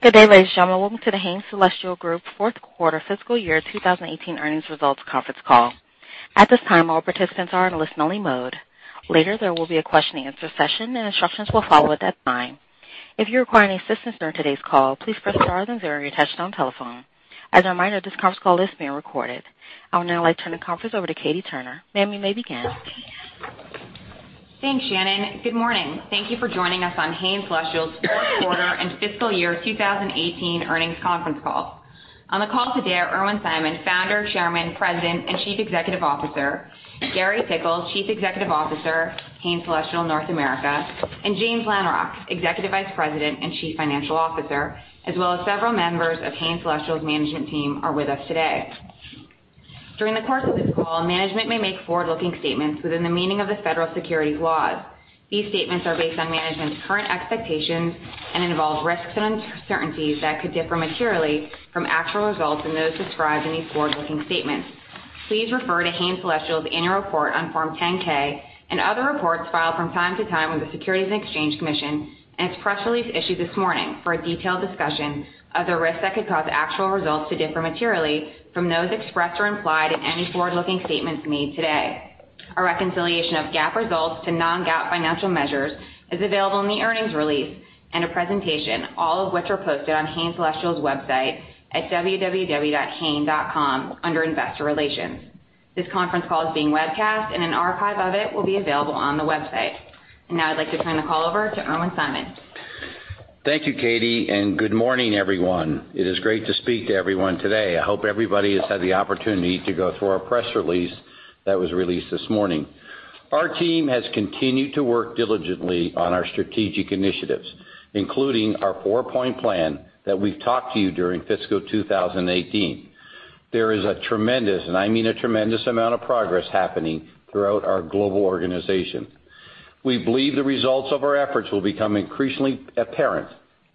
Good day, ladies and gentlemen. Welcome to The Hain Celestial Group fourth quarter fiscal year 2018 earnings results conference call. At this time, all participants are in listen-only mode. Later, there will be a question and answer session, and instructions will follow at that time. If you require any assistance during today's call, please press star then zero on your touchtone telephone. As a reminder, this conference call is being recorded. I would now like to turn the conference over to Katie Turner. Ma'am, you may begin. Thanks, Shannon. Good morning. Thank you for joining us on Hain Celestial's fourth quarter and fiscal year 2018 earnings conference call. On the call today are Irwin Simon, Founder, Chairman, President, and Chief Executive Officer; Gary Tickle, Chief Executive Officer, Hain Celestial North America; and James Langrock, Executive Vice President and Chief Financial Officer, as well as several members of Hain Celestial's management team are with us today. During the course of this call, management may make forward-looking statements within the meaning of the federal securities laws. These statements are based on management's current expectations and involve risks and uncertainties that could differ materially from actual results and those described in these forward-looking statements. Please refer to Hain Celestial's annual report on Form 10-K and other reports filed from time to time with the Securities and Exchange Commission and its press release issued this morning for a detailed discussion of the risks that could cause actual results to differ materially from those expressed or implied in any forward-looking statements made today. A reconciliation of GAAP results to non-GAAP financial measures is available in the earnings release and a presentation, all of which are posted on Hain Celestial's website at www.hain.com under Investor Relations. This conference call is being webcast and an archive of it will be available on the website. Now I'd like to turn the call over to Irwin Simon. Thank you, Katie, and good morning, everyone. It is great to speak to everyone today. I hope everybody has had the opportunity to go through our press release that was released this morning. Our team has continued to work diligently on our strategic initiatives, including our four-point plan that we've talked to you during fiscal 2018. There is a tremendous, and I mean a tremendous, amount of progress happening throughout our global organization. We believe the results of our efforts will become increasingly apparent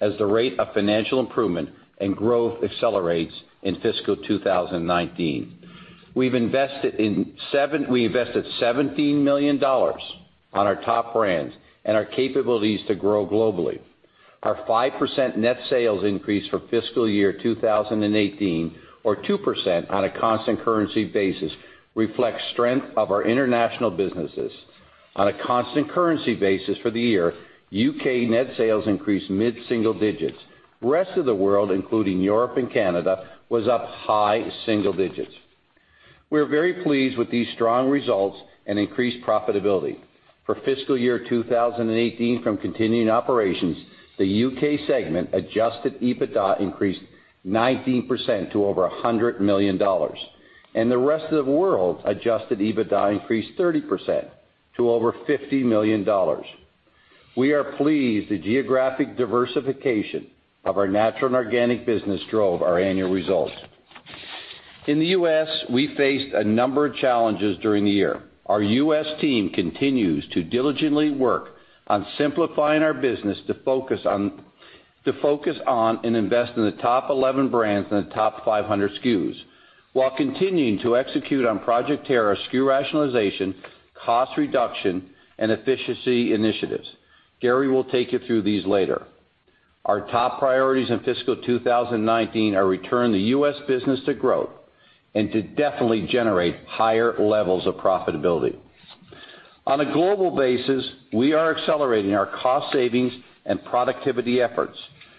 as the rate of financial improvement and growth accelerates in fiscal 2019. We've invested $17 million on our top brands and our capabilities to grow globally. Our 5% net sales increase for fiscal year 2018, or 2% on a constant currency basis, reflects strength of our international businesses. On a constant currency basis for the year, U.K. net sales increased mid-single digits. Rest of the world, including Europe and Canada, was up high single digits. We are very pleased with these strong results and increased profitability. For fiscal year 2018 from continuing operations, the U.K. segment adjusted EBITDA increased 19% to over $100 million, and the rest of the world adjusted EBITDA increased 30% to over $50 million. We are pleased the geographic diversification of our natural and organic business drove our annual results. In the U.S., we faced a number of challenges during the year. Our U.S. team continues to diligently work on simplifying our business to focus on and invest in the top 11 brands and the top 500 SKUs, while continuing to execute on Project Terra SKU rationalization, cost reduction, and efficiency initiatives. Gary Tickle will take you through these later. Our top priorities in fiscal 2019 are return the U.S. business to growth and to definitely generate higher levels of profitability. On a global basis, we are accelerating our cost savings and productivity efforts,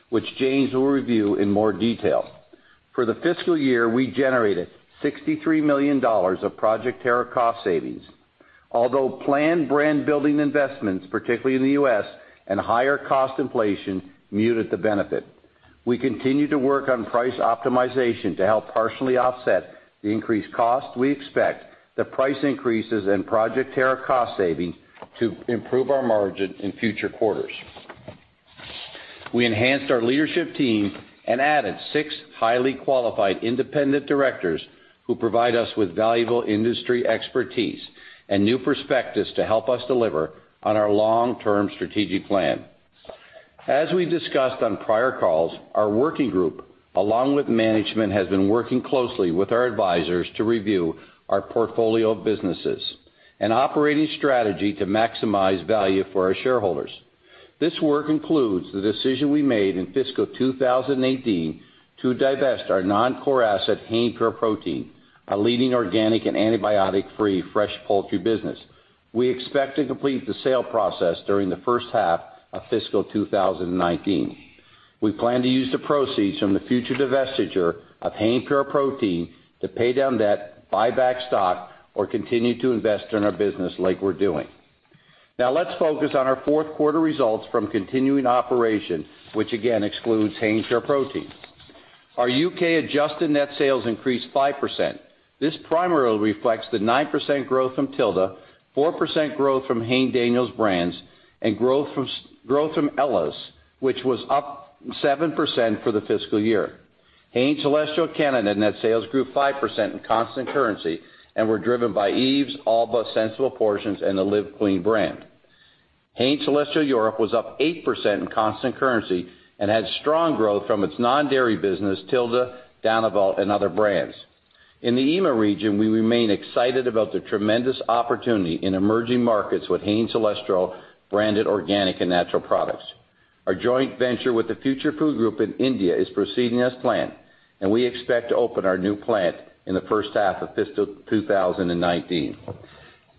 which James Langrock will review in more detail. For the fiscal year, we generated $63 million of Project Terra cost savings, although planned brand building investments, particularly in the U.S., and higher cost inflation muted the benefit. We continue to work on price optimization to help partially offset the increased cost. We expect the price increases and Project Terra cost saving to improve our margin in future quarters. We enhanced our leadership team and added six highly qualified independent directors who provide us with valuable industry expertise and new perspectives to help us deliver on our long-term strategic plan. As we discussed on prior calls, our working group, along with management, has been working closely with our advisors to review our portfolio of businesses and operating strategy to maximize value for our shareholders. This work includes the decision we made in fiscal 2018 to divest our non-core asset, Hain Pure Protein, our leading organic and antibiotic-free fresh poultry business. We expect to complete the sale process during the first half of fiscal 2019. We plan to use the proceeds from the future divestiture of Hain Pure Protein to pay down debt, buy back stock, or continue to invest in our business like we are doing. Now let's focus on our fourth quarter results from continuing operation, which again excludes Hain Pure Protein. Our U.K. adjusted net sales increased 5%. This primarily reflects the 9% growth from Tilda, 4% growth from Hain Daniels Group brands, and growth from Ella's, which was up 7% for the fiscal year. Hain Celestial Canada net sales grew 5% in constant currency and were driven by Yves, Alba Botanica, Sensible Portions, and the Live Clean brand. Hain Celestial Europe was up 8% in constant currency and had strong growth from its non-dairy business, Tilda, Danival, and other brands. In the EMEA region, we remain excited about the tremendous opportunity in emerging markets with Hain Celestial branded organic and natural products. Our joint venture with the Future Group in India is proceeding as planned, and we expect to open our new plant in the first half of fiscal 2019.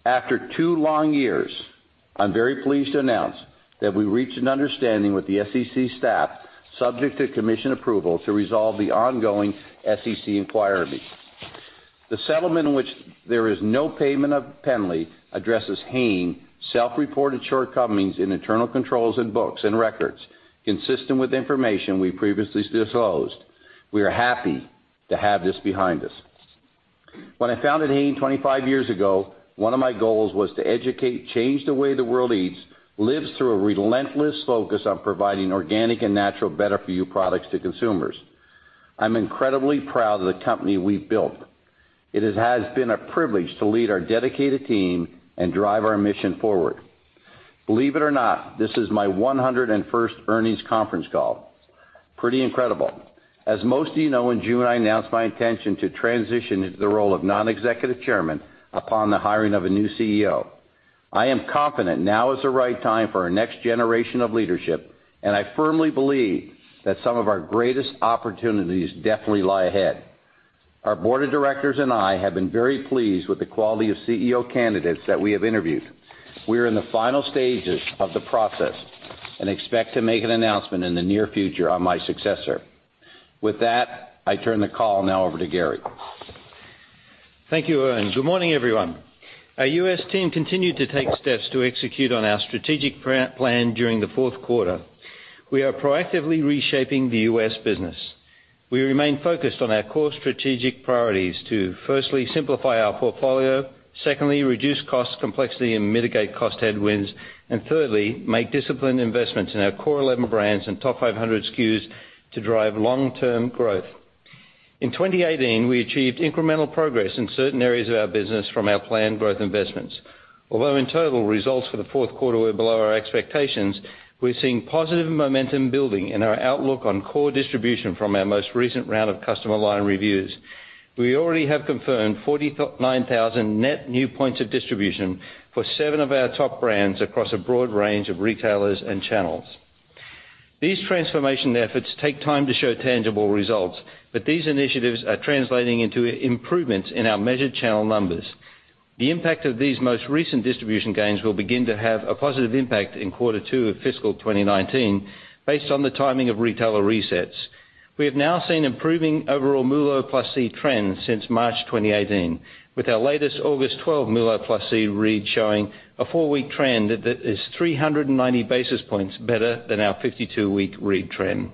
After two long years, I am very pleased to announce that we reached an understanding with the SEC staff, subject to Commission approval, to resolve the ongoing SEC inquiry. The settlement, in which there is no payment of penalty, addresses Hain's self-reported shortcomings in internal controls and books and records, consistent with information we previously disclosed. We are happy to have this behind us. When I founded Hain 25 years ago, one of my goals was to educate, change the way the world eats, lives through a relentless focus on providing organic and natural better-for-you products to consumers. I'm incredibly proud of the company we've built. It has been a privilege to lead our dedicated team and drive our mission forward. Believe it or not, this is my 101st earnings conference call. Pretty incredible. As most of you know, in June, I announced my intention to transition into the role of non-executive chairman upon the hiring of a new CEO. I am confident now is the right time for our next generation of leadership, and I firmly believe that some of our greatest opportunities definitely lie ahead. Our board of directors and I have been very pleased with the quality of CEO candidates that we have interviewed. We are in the final stages of the process and expect to make an announcement in the near future on my successor. With that, I turn the call now over to Gary. Thank you, Irwin. Good morning, everyone. Our U.S. team continued to take steps to execute on our strategic plan during the fourth quarter. We are proactively reshaping the U.S. business. We remain focused on our core strategic priorities to, firstly, simplify our portfolio, secondly, reduce cost complexity and mitigate cost headwinds, and thirdly, make disciplined investments in our core 11 brands and top 500 SKUs to drive long-term growth. In 2018, we achieved incremental progress in certain areas of our business from our planned growth investments. Although in total, results for the fourth quarter were below our expectations, we're seeing positive momentum building in our outlook on core distribution from our most recent round of customer line reviews. We already have confirmed 49,000 net new points of distribution for seven of our top brands across a broad range of retailers and channels. These transformation efforts take time to show tangible results, but these initiatives are translating into improvements in our measured channel numbers. The impact of these most recent distribution gains will begin to have a positive impact in Q2 of fiscal 2019, based on the timing of retailer resets. We have now seen improving overall MULO+C trends since March 2018, with our latest August 12 MULO+C read showing a four-week trend that is 390 basis points better than our 52-week read trend.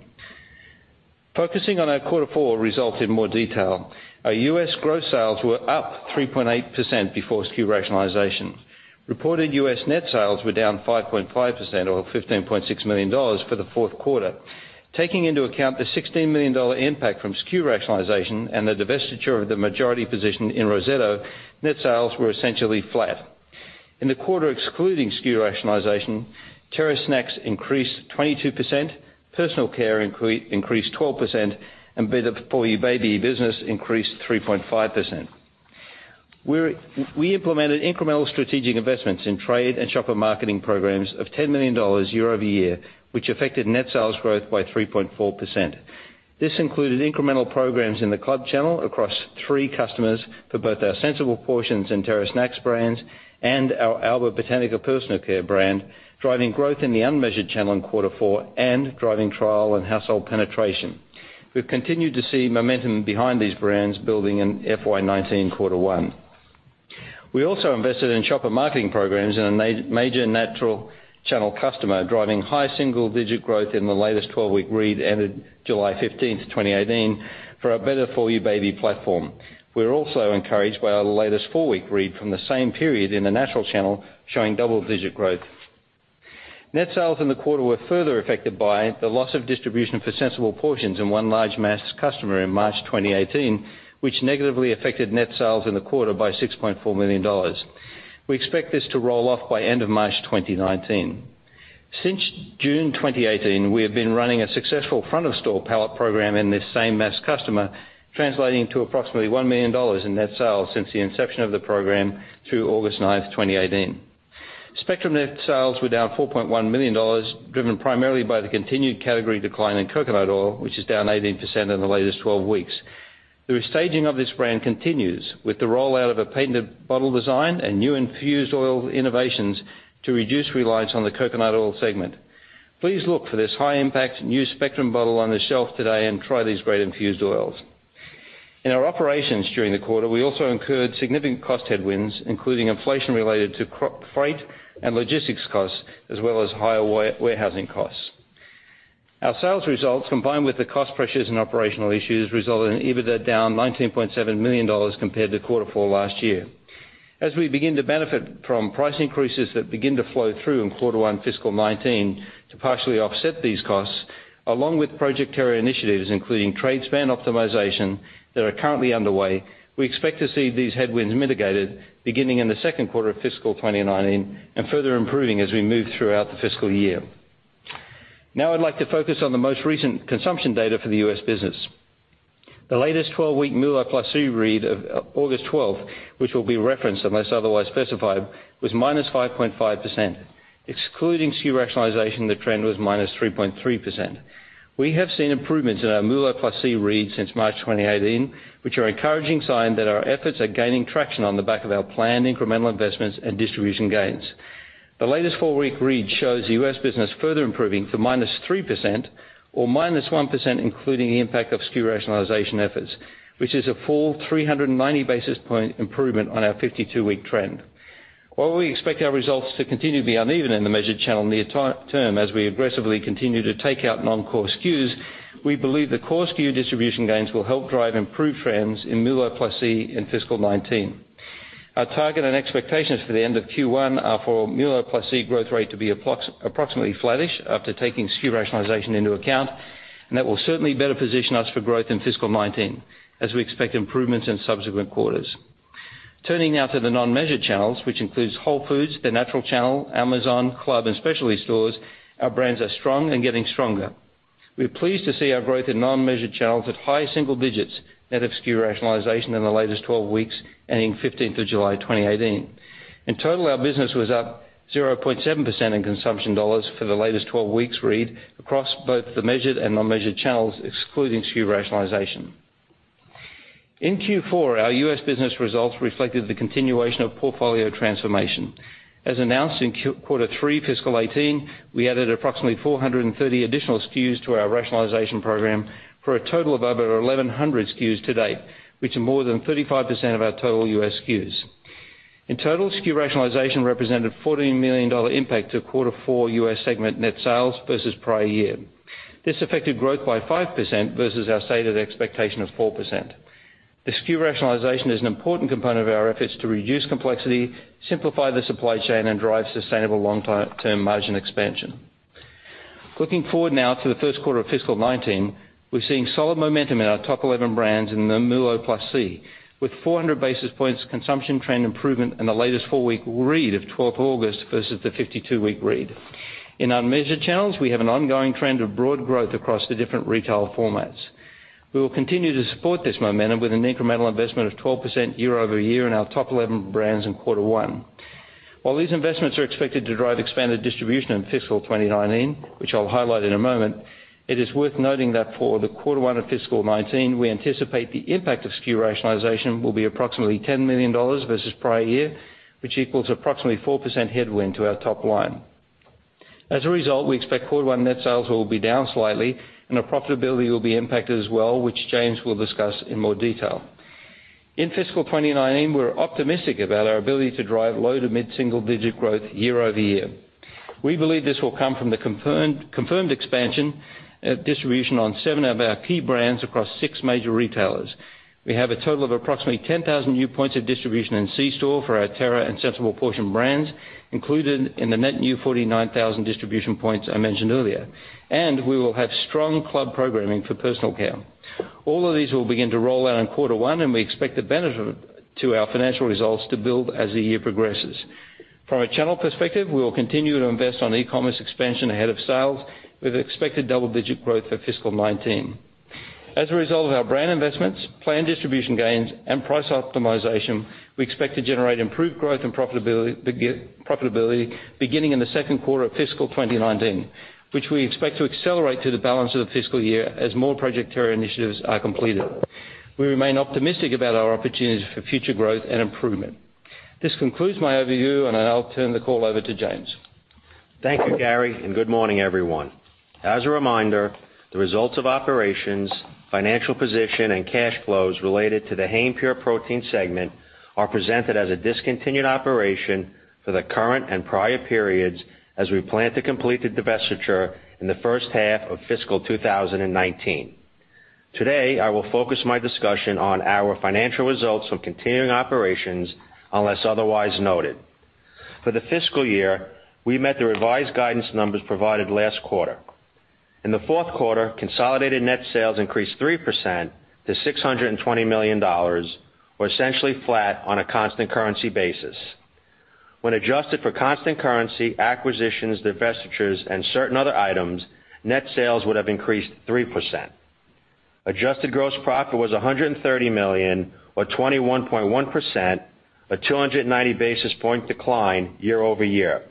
Focusing on our Q4 results in more detail. Our U.S. gross sales were up 3.8% before SKU rationalization. Reported U.S. net sales were down 5.5%, or $15.6 million for the fourth quarter. Taking into account the $16 million impact from SKU rationalization and the divestiture of the majority position in Rosetto, net sales were essentially flat. In the quarter excluding SKU rationalization, Terra snacks increased 22%, personal care increased 12%, and Better For You Baby business increased 3.5%. We implemented incremental strategic investments in trade and shopper marketing programs of $10 million year-over-year, which affected net sales growth by 3.4%. This included incremental programs in the club channel across three customers for both our Sensible Portions and Terra snacks brands and our Alba Botanica personal care brand, driving growth in the unmeasured channel in Q4 and driving trial and household penetration. We've continued to see momentum behind these brands building in FY 2019 Q1. We also invested in shopper marketing programs in a major natural channel customer, driving high single-digit growth in the latest 12-week read ended July 15th, 2018, for our Better For You Baby platform. We're also encouraged by our latest four-week read from the same period in the natural channel, showing double-digit growth. Net sales in the quarter were further affected by the loss of distribution for Sensible Portions in one large mass customer in March 2018, which negatively affected net sales in the quarter by $6.4 million. We expect this to roll off by end of March 2019. Since June 2018, we have been running a successful front-of-store pallet program in this same mass customer, translating to approximately $1 million in net sales since the inception of the program through August 9th, 2018. Spectrum net sales were down $4.1 million, driven primarily by the continued category decline in coconut oil, which is down 18% in the latest 12 weeks. The restaging of this brand continues, with the rollout of a patented bottle design and new infused oil innovations to reduce reliance on the coconut oil segment. Please look for this high-impact new Spectrum bottle on the shelf today and try these great infused oils. In our operations during the quarter, we also incurred significant cost headwinds, including inflation related to freight and logistics costs, as well as higher warehousing costs. Our sales results, combined with the cost pressures and operational issues, resulted in EBITDA down $19.7 million compared to Q4 last year. As we begin to benefit from price increases that begin to flow through in Q1 fiscal 2019 to partially offset these costs, along with Project Terra initiatives, including trade spend optimization that are currently underway, we expect to see these headwinds mitigated beginning in the second quarter of fiscal 2019 and further improving as we move throughout the fiscal year. Now I'd like to focus on the most recent consumption data for the U.S. business. The latest 12-week MULO+C read of August 12th, which will be referenced unless otherwise specified, was -5.5%. Excluding SKU rationalization, the trend was -3.3%. We have seen improvements in our MULO+C read since March 2018, which are encouraging sign that our efforts are gaining traction on the back of our planned incremental investments and distribution gains. The latest four-week read shows U.S. business further improving to -3% or -1%, including the impact of SKU rationalization efforts, which is a full 390 basis point improvement on our 52-week trend. While we expect our results to continue to be uneven in the measured channel near term, as we aggressively continue to take out non-core SKUs, we believe the core SKU distribution gains will help drive improved trends in MULO+C in fiscal 2019. Our target and expectations for the end of Q1 are for MULO+C growth rate to be approximately flat-ish after taking SKU rationalization into account, that will certainly better position us for growth in fiscal 2019, as we expect improvements in subsequent quarters. Turning now to the non-measured channels, which includes Whole Foods Market, the natural channel, Amazon, club, and specialty stores, our brands are strong and getting stronger. We are pleased to see our growth in non-measured channels at high single digits net of SKU rationalization in the latest 12 weeks ending 15th of July 2018. In total, our business was up 0.7% in consumption dollars for the latest 12 weeks read across both the measured and unmeasured channels, excluding SKU rationalization. In Q4, our U.S. business results reflected the continuation of portfolio transformation. As announced in quarter three fiscal 2018, we added approximately 430 additional SKUs to our rationalization program for a total of over 1,100 SKUs to date, which are more than 35% of our total U.S. SKUs. In total, SKU rationalization represented a $14 million impact to quarter four U.S. segment net sales versus prior year. This affected growth by 5% versus our stated expectation of 4%. The SKU rationalization is an important component of our efforts to reduce complexity, simplify the supply chain, and drive sustainable long-term margin expansion. Looking forward now to the first quarter of fiscal 2019, we're seeing solid momentum in our top 11 brands in the MULO+C, with 400 basis points consumption trend improvement in the latest four-week read of 12 August versus the 52-week read. In unmeasured channels, we have an ongoing trend of broad growth across the different retail formats. We will continue to support this momentum with an incremental investment of 12% year-over-year in our top 11 brands in quarter one. While these investments are expected to drive expanded distribution in fiscal 2019, which I'll highlight in a moment, it is worth noting that for the quarter one of fiscal 2019, we anticipate the impact of SKU rationalization will be approximately $10 million versus prior year, which equals approximately 4% headwind to our top line. As a result, we expect quarter one net sales will be down slightly, and our profitability will be impacted as well, which James will discuss in more detail. In fiscal 2019, we're optimistic about our ability to drive low to mid-single digit growth year-over-year. We believe this will come from the confirmed expansion of distribution on seven of our key brands across six major retailers. We have a total of approximately 10,000 new points of distribution in C-store for our Terra and Sensible Portions brands, included in the net new 49,000 distribution points I mentioned earlier. We will have strong club programming for personal care. All of these will begin to roll out in quarter one, and we expect the benefit to our financial results to build as the year progresses. From a channel perspective, we will continue to invest on e-commerce expansion ahead of sales, with expected double-digit growth for fiscal 2019. As a result of our brand investments, planned distribution gains, and price optimization, we expect to generate improved growth and profitability, beginning in the second quarter of fiscal 2019, which we expect to accelerate through the balance of the fiscal year as more Project Terra initiatives are completed. We remain optimistic about our opportunities for future growth and improvement. This concludes my overview. I'll turn the call over to James. Thank you, Gary, and good morning, everyone. As a reminder, the results of operations, financial position, and cash flows related to the Hain Pure Protein segment are presented as a discontinued operation for the current and prior periods as we plan to complete the divestiture in the first half of fiscal 2019. Today, I will focus my discussion on our financial results from continuing operations, unless otherwise noted. For the fiscal year, we met the revised guidance numbers provided last quarter. In the fourth quarter, consolidated net sales increased 3% to $620 million, or essentially flat on a constant currency basis. When adjusted for constant currency, acquisitions, divestitures, and certain other items, net sales would have increased 3%. Adjusted gross profit was $130 million, or 21.1%, a 290 basis point decline year-over-year.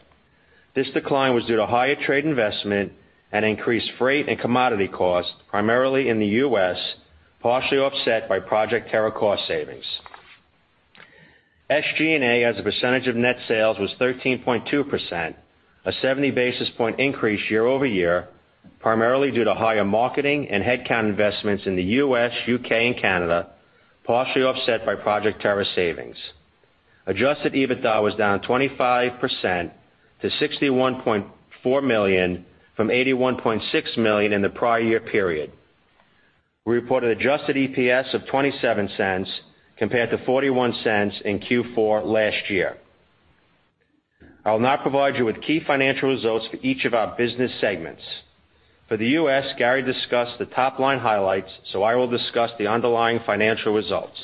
This decline was due to higher trade investment and increased freight and commodity costs, primarily in the U.S., partially offset by Project Terra cost savings. SG&A as a percentage of net sales was 13.2%, a 70-basis point increase year-over-year, primarily due to higher marketing and headcount investments in the U.S., U.K., and Canada, partially offset by Project Terra savings. Adjusted EBITDA was down 25% to $61.4 million from $81.6 million in the prior year period. We reported adjusted EPS of $0.27 compared to $0.41 in Q4 last year. I will now provide you with key financial results for each of our business segments. For the U.S., Gary discussed the top-line highlights, so I will discuss the underlying financial results.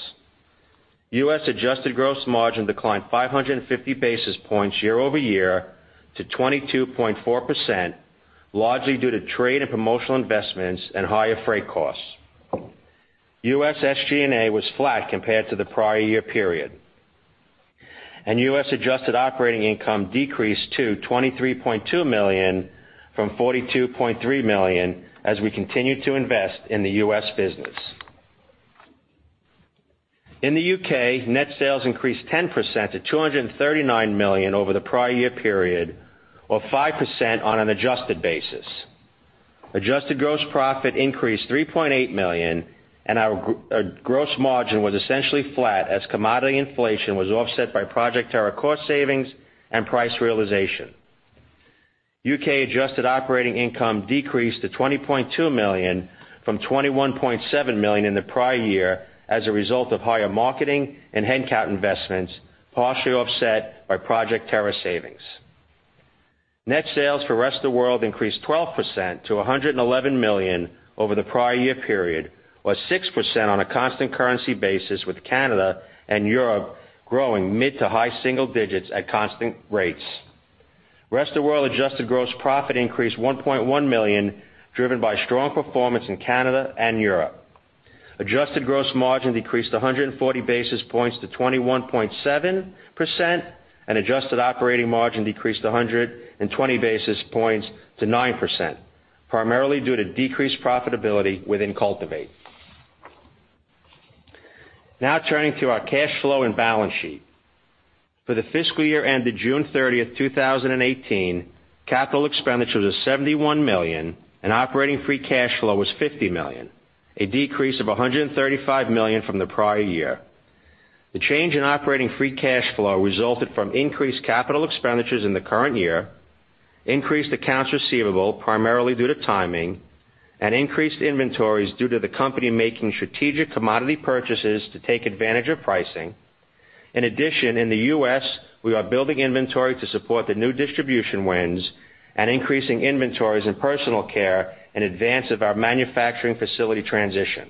U.S. adjusted gross margin declined 550 basis points year-over-year to 22.4%, largely due to trade and promotional investments and higher freight costs. U.S. SG&A was flat compared to the prior year period. U.S. adjusted operating income decreased to $23.2 million from $42.3 million, as we continue to invest in the U.S. business. In the U.K., net sales increased 10% to $239 million over the prior year period, or 5% on an adjusted basis. Adjusted gross profit increased $3.8 million, and our gross margin was essentially flat as commodity inflation was offset by Project Terra cost savings and price realization. U.K. adjusted operating income decreased to $20.2 million from $21.7 million in the prior year as a result of higher marketing and headcount investments, partially offset by Project Terra savings. Net sales for rest of the world increased 12% to $111 million over the prior year period, or 6% on a constant currency basis, with Canada and Europe growing mid to high single digits at constant rates. Rest of the world adjusted gross profit increased $1.1 million, driven by strong performance in Canada and Europe. Adjusted gross margin decreased 140 basis points to 21.7%, and adjusted operating margin decreased 120 basis points to 9%, primarily due to decreased profitability within Cultivate. Now turning to our cash flow and balance sheet. For the fiscal year ended June 30th, 2018, capital expenditures was $71 million and operating free cash flow was $50 million, a decrease of $135 million from the prior year. The change in operating free cash flow resulted from increased capital expenditures in the current year, increased accounts receivable, primarily due to timing, and increased inventories due to the company making strategic commodity purchases to take advantage of pricing. In addition, in the U.S., we are building inventory to support the new distribution wins and increasing inventories in personal care in advance of our manufacturing facility transition.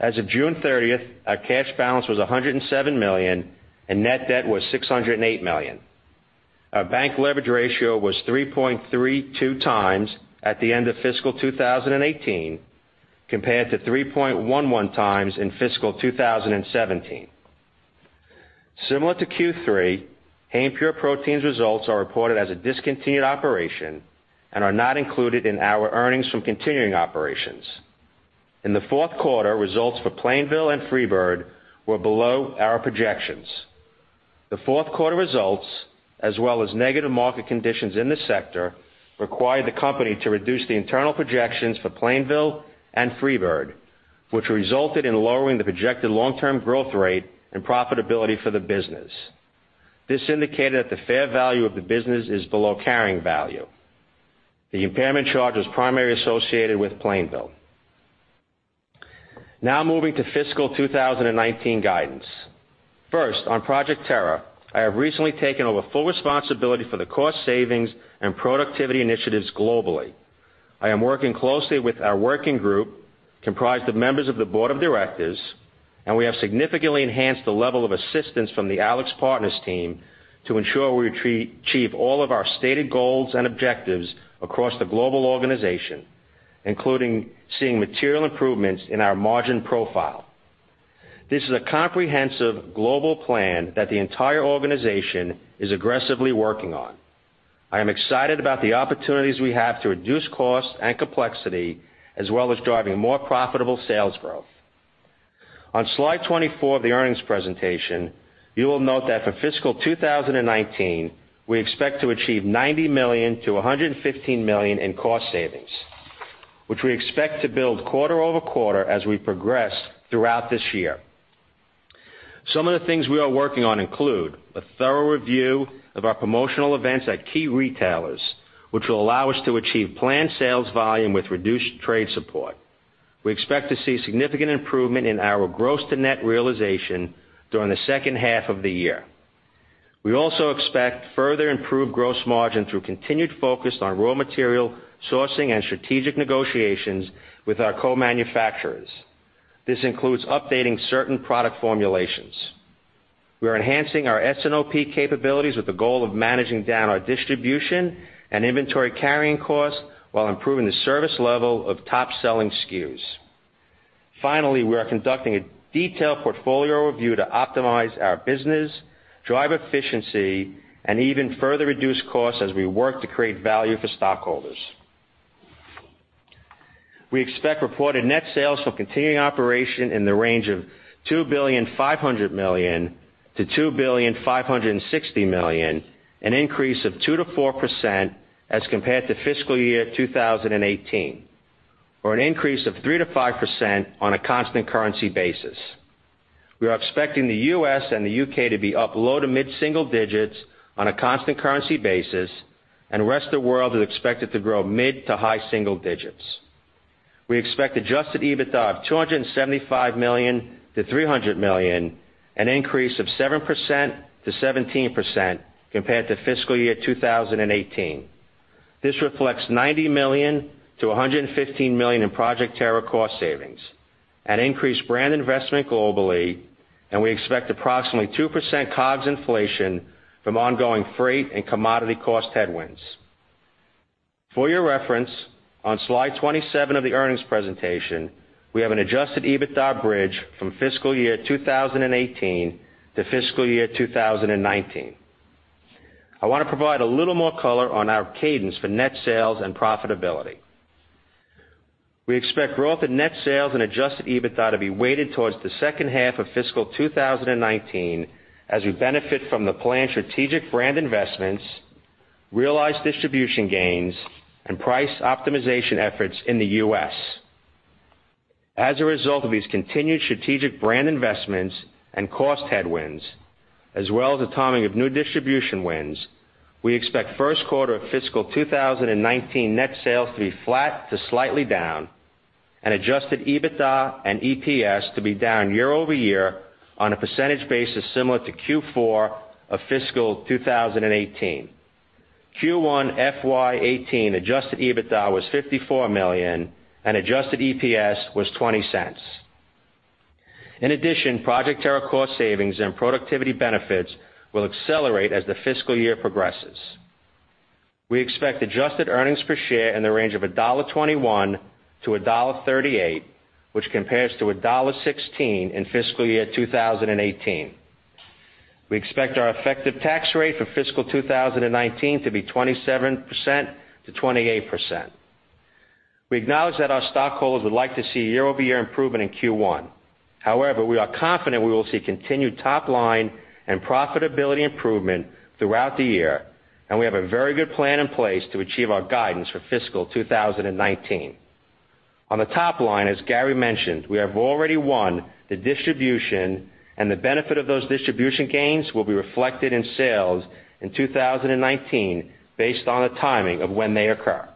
As of June 30th, our cash balance was $107 million and net debt was $608 million. Our bank leverage ratio was 3.32 times at the end of fiscal 2018, compared to 3.11 times in fiscal 2017. Similar to Q3, Hain Pure Protein results are reported as a discontinued operation and are not included in our earnings from continuing operations. In the fourth quarter, results for Plainville and FreeBird were below our projections. The fourth quarter results, as well as negative market conditions in the sector, required the company to reduce the internal projections for Plainville and FreeBird, which resulted in lowering the projected long-term growth rate and profitability for the business. This indicated that the fair value of the business is below carrying value. The impairment charge was primarily associated with Plainville. Now moving to fiscal 2019 guidance. First, on Project Terra, I have recently taken over full responsibility for the cost savings and productivity initiatives globally. I am working closely with our working group, comprised of members of the board of directors, and we have significantly enhanced the level of assistance from the AlixPartners team to ensure we achieve all of our stated goals and objectives across the global organization, including seeing material improvements in our margin profile. This is a comprehensive global plan that the entire organization is aggressively working on. I am excited about the opportunities we have to reduce cost and complexity, as well as driving more profitable sales growth. On slide 24 of the earnings presentation, you will note that for fiscal 2019, we expect to achieve $90 million to $115 million in cost savings, which we expect to build quarter-over-quarter as we progress throughout this year. Some of the things we are working on include a thorough review of our promotional events at key retailers, which will allow us to achieve planned sales volume with reduced trade support. We expect to see significant improvement in our gross to net realization during the second half of the year. We also expect further improved gross margin through continued focus on raw material sourcing and strategic negotiations with our co-manufacturers. This includes updating certain product formulations. We are enhancing our S&OP capabilities with the goal of managing down our distribution and inventory carrying costs while improving the service level of top-selling SKUs. Finally, we are conducting a detailed portfolio review to optimize our business, drive efficiency, and even further reduce costs as we work to create value for stockholders. We expect reported net sales for continuing operation in the range of $2.5 billion-$2.56 billion, an increase of 2%-4% as compared to fiscal year 2018, or an increase of 3%-5% on a constant currency basis. We are expecting the U.S. and the U.K. to be up low to mid-single digits on a constant currency basis, and rest of the world is expected to grow mid to high single digits. We expect adjusted EBITDA of $275 million-$300 million, an increase of 7%-17% compared to fiscal year 2018. This reflects $90 million-$115 million in Project Terra cost savings and increased brand investment globally, and we expect approximately 2% COGS inflation from ongoing freight and commodity cost headwinds. For your reference, on Slide 27 of the earnings presentation, we have an adjusted EBITDA bridge from fiscal year 2018 to fiscal year 2019. I want to provide a little more color on our cadence for net sales and profitability. We expect growth in net sales and adjusted EBITDA to be weighted towards the second half of fiscal 2019 as we benefit from the planned strategic brand investments, realized distribution gains, and price optimization efforts in the U.S. As a result of these continued strategic brand investments and cost headwinds, as well as the timing of new distribution wins, we expect first quarter of fiscal 2019 net sales to be flat to slightly down, and adjusted EBITDA and EPS to be down year-over-year on a percentage basis similar to Q4 of fiscal 2018. Q1 FY 2018 adjusted EBITDA was $54 million and adjusted EPS was $0.20. Project Terra cost savings and productivity benefits will accelerate as the fiscal year progresses. We expect adjusted earnings per share in the range of $1.21-$1.38, which compares to $1.16 in fiscal year 2018. We expect our effective tax rate for fiscal 2019 to be 27%-28%. We acknowledge that our stockholders would like to see year-over-year improvement in Q1. We are confident we will see continued top-line and profitability improvement throughout the year, and we have a very good plan in place to achieve our guidance for fiscal 2019. On the top line, as Gary mentioned, we have already won the distribution and the benefit of those distribution gains will be reflected in sales in 2019 based on the timing of when they occur.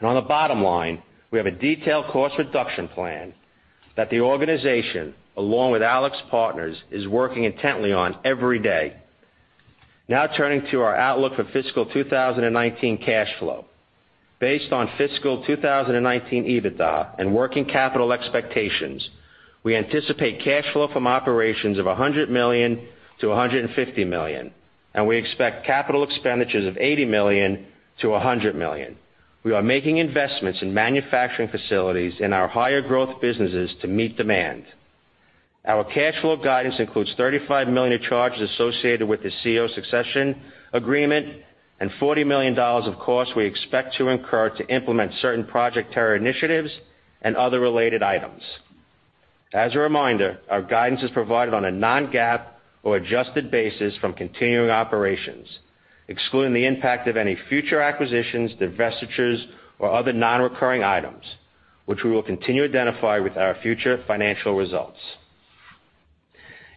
We have a detailed cost reduction plan that the organization, along with AlixPartners, is working intently on every day. Turning to our outlook for fiscal 2019 cash flow. Based on fiscal 2019 EBITDA and working capital expectations, we anticipate cash flow from operations of $100 million to $150 million, and we expect capital expenditures of $80 million to $100 million. We are making investments in manufacturing facilities in our higher growth businesses to meet demand. Our cash flow guidance includes $35 million of charges associated with the CEO succession agreement and $40 million of costs we expect to incur to implement certain Project Terra initiatives and other related items. As a reminder, our guidance is provided on a non-GAAP or adjusted basis from continuing operations, excluding the impact of any future acquisitions, divestitures, or other non-recurring items, which we will continue to identify with our future financial results.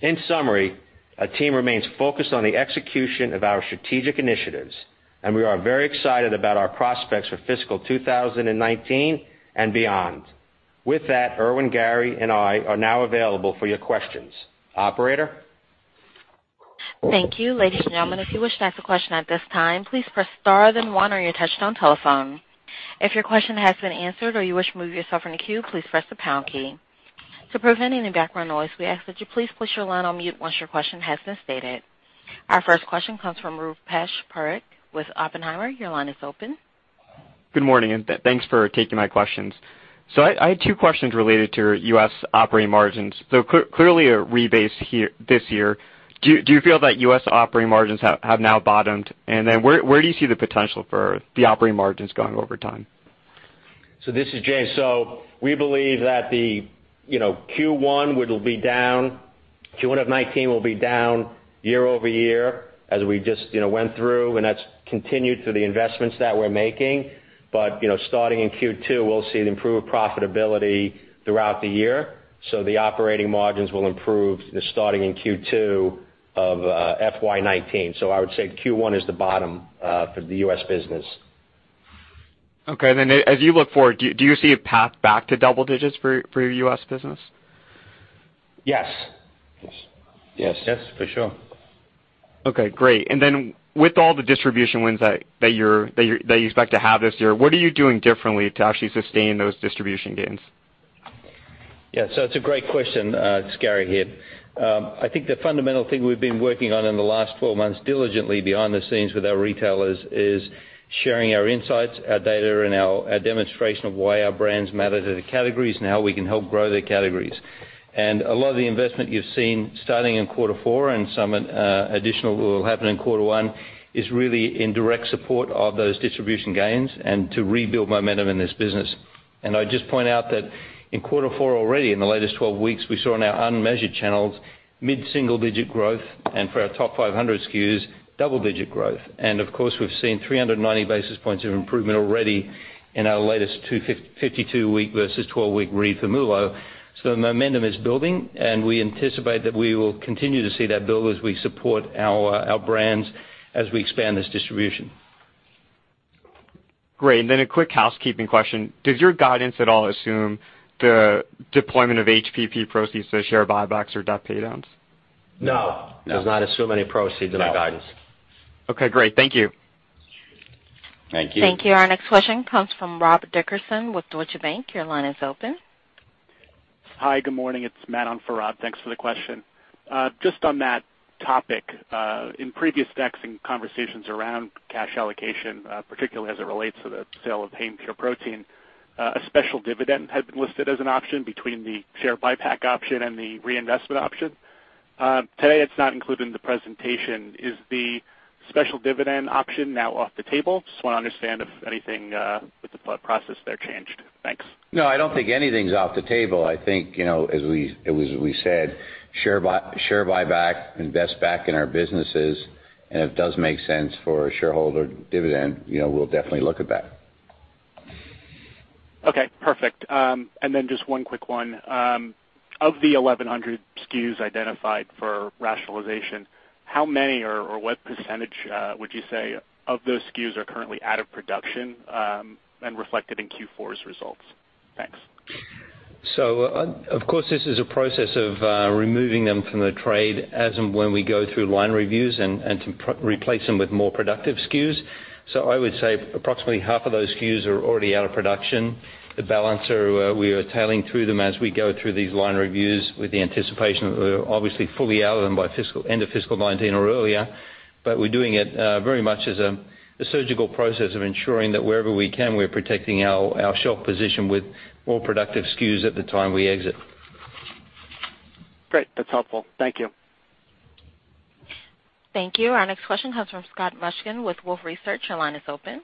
In summary, our team remains focused on the execution of our strategic initiatives, and we are very excited about our prospects for fiscal 2019 and beyond. With that, Irwin, Gary, and I are now available for your questions. Operator? Thank you. Ladies and gentlemen, if you wish to ask a question at this time, please press star then one on your touch-tone telephone. If your question has been answered or you wish to remove yourself from the queue, please press the pound key. To prevent any background noise, we ask that you please place your line on mute once your question has been stated. Our first question comes from Rupesh Parikh with Oppenheimer. Your line is open. Good morning, thanks for taking my questions. I had two questions related to your U.S. operating margins. Clearly, a rebase this year. Do you feel that U.S. operating margins have now bottomed? Where do you see the potential for the operating margins going over time? This is Jay. We believe that Q1 of 2019 will be down year-over-year, as we just went through, and that is continued through the investments that we are making. Starting in Q2, we will see improved profitability throughout the year. The operating margins will improve starting in Q2 of FY 2019. I would say Q1 is the bottom for the U.S. business. Okay. As you look forward, do you see a path back to double digits for your U.S. business? Yes. Yes. Yes, for sure. Okay, great. With all the distribution wins that you expect to have this year, what are you doing differently to actually sustain those distribution gains? Yeah, it is a great question. It is Gary here. I think the fundamental thing we have been working on in the last 12 months diligently behind the scenes with our retailers is sharing our insights, our data, and our demonstration of why our brands matter to the categories and how we can help grow their categories. A lot of the investment you have seen starting in quarter 4 and some additional will happen in quarter 1, is really in direct support of those distribution gains and to rebuild momentum in this business. I would just point out that in quarter 4 already, in the latest 12 weeks, we saw in our unmeasured channels mid-single-digit growth, and for our top 500 SKUs, double-digit growth. Of course, we have seen 390 basis points of improvement already in our latest 252-week versus 12-week read for MULO. The momentum is building, and we anticipate that we will continue to see that build as we support our brands as we expand this distribution. Great. Then a quick housekeeping question. Does your guidance at all assume the deployment of HPP proceeds to a share buybacks or debt paydowns? No. No. Does not assume any proceeds in our guidance. Okay, great. Thank you. Thank you. Thank you. Our next question comes from Robert Dickerson with Deutsche Bank. Your line is open. Hi, good morning. It's Matt on for Rob. Thanks for the question. Just on that topic, in previous decks and conversations around cash allocation, particularly as it relates to the sale of Hain Pure Protein, a special dividend had been listed as an option between the share buyback option and the reinvestment option. Today, it's not included in the presentation. Is the special dividend option now off the table? Just want to understand if anything with the process there changed. Thanks. No, I don't think anything's off the table. I think, as we said, share buyback, invest back in our businesses, and if it does make sense for a shareholder dividend, we'll definitely look at that. Okay, perfect. Just one quick one. Of the 1,100 SKUs identified for rationalization, how many or what percentage would you say of those SKUs are currently out of production and reflected in Q4's results? Thanks. Of course, this is a process of removing them from the trade as and when we go through line reviews and to replace them with more productive SKUs. I would say approximately half of those SKUs are already out of production. The balance, we are tailing through them as we go through these line reviews with the anticipation that we're obviously fully out of them by end of fiscal 2019 or earlier. We're doing it very much as a surgical process of ensuring that wherever we can, we're protecting our shelf position with more productive SKUs at the time we exit. Great. That's helpful. Thank you. Thank you. Our next question comes from Scott Mushkin with Wolfe Research. Your line is open.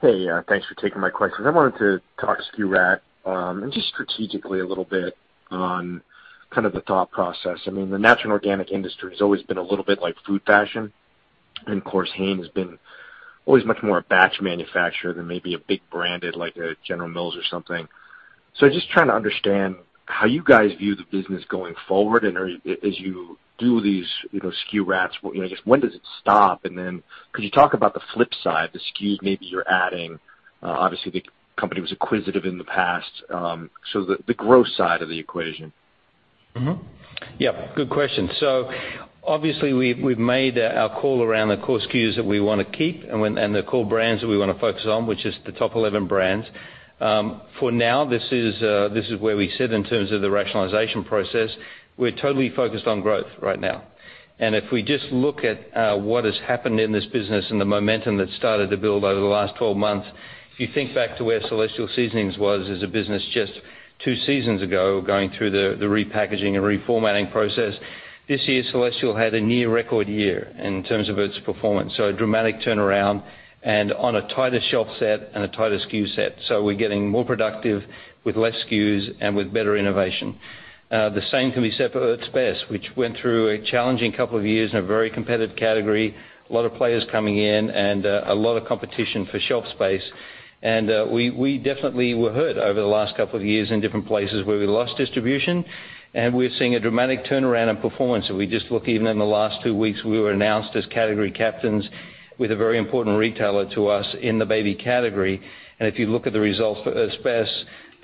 Hey, thanks for taking my questions. I wanted to talk SKU rationalization and just strategically a little bit on kind of the thought process. The natural and organic industry has always been a little bit like food fashion. Of course, Hain has been always much more a batch manufacturer than maybe a big branded, like a General Mills or something. Just trying to understand how you guys view the business going forward, and as you do these SKU rats, just when does it stop? Could you talk about the flip side, the SKUs maybe you're adding? Obviously, the company was acquisitive in the past, the growth side of the equation. Mm-hmm. Yep. Good question. Obviously, we've made our call around the core SKUs that we want to keep and the core brands that we want to focus on, which is the top 11 brands. For now, this is where we sit in terms of the rationalization process. We're totally focused on growth right now. If we just look at what has happened in this business and the momentum that's started to build over the last 12 months, if you think back to where Celestial Seasonings was as a business just two seasons ago, going through the repackaging and reformatting process, this year, Celestial had a near record year in terms of its performance. A dramatic turnaround and on a tighter shelf set and a tighter SKU set. We're getting more productive with less SKUs and with better innovation. The same can be said for Earth's Best, which went through a challenging couple of years in a very competitive category. A lot of players coming in and a lot of competition for shelf space. We definitely were hurt over the last couple of years in different places where we lost distribution, and we're seeing a dramatic turnaround in performance. If we just look even in the last two weeks, we were announced as category captains with a very important retailer to us in the baby category. If you look at the results for Earth's Best,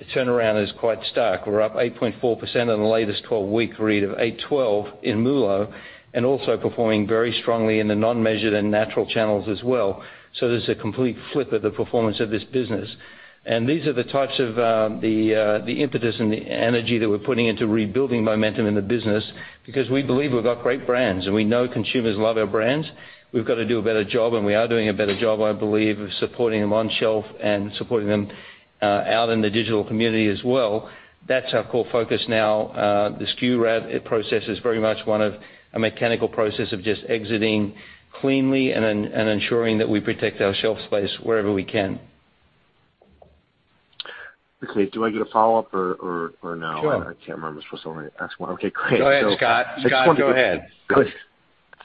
the turnaround is quite stark. We're up 8.4% on the latest 12-week read of 8.12 in MULO, and also performing very strongly in the non-measured and natural channels as well. There's a complete flip of the performance of this business. These are the types of the impetus and the energy that we're putting into rebuilding momentum in the business because we believe we've got great brands, and we know consumers love our brands. We've got to do a better job, and we are doing a better job, I believe, of supporting them on shelf and supporting them out in the digital community as well. That's our core focus now. The SKU rationalization process is very much one of a mechanical process of just exiting cleanly and ensuring that we protect our shelf space wherever we can. Okay. Do I get a follow-up or no? Sure. I can't remember. I'm supposed to only ask one. Okay, great. Go ahead, Scott. Scott, go ahead. Good.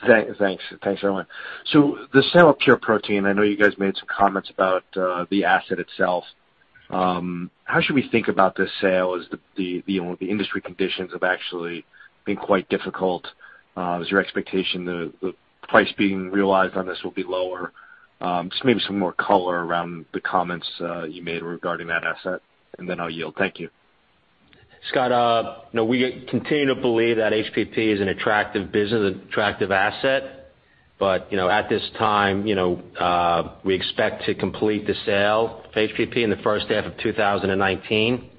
Thanks, Irwin. The sale of Pure Protein, I know you guys made some comments about the asset itself. How should we think about this sale as the industry conditions have actually been quite difficult? Is your expectation the price being realized on this will be lower? Just maybe some more color around the comments you made regarding that asset, then I'll yield. Thank you. Scott, we continue to believe that HPP is an attractive business, attractive asset. At this time, we expect to complete the sale of HPP in the first half of 2019.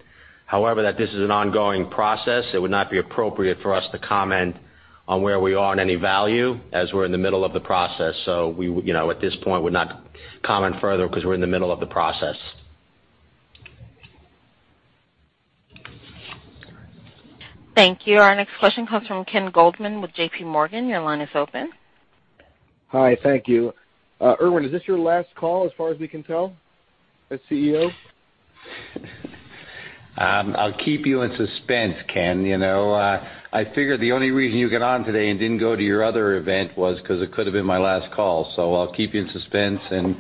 That this is an ongoing process, it would not be appropriate for us to comment on where we are on any value as we're in the middle of the process. At this point, we're not comment further because we're in the middle of the process. Thank you. Our next question comes from Kenneth Goldman with J.P. Morgan. Your line is open. Hi. Thank you. Irwin, is this your last call as far as we can tell, as CEO? I'll keep you in suspense, Ken. I figured the only reason you got on today and didn't go to your other event was because it could have been my last call. I'll keep you in suspense and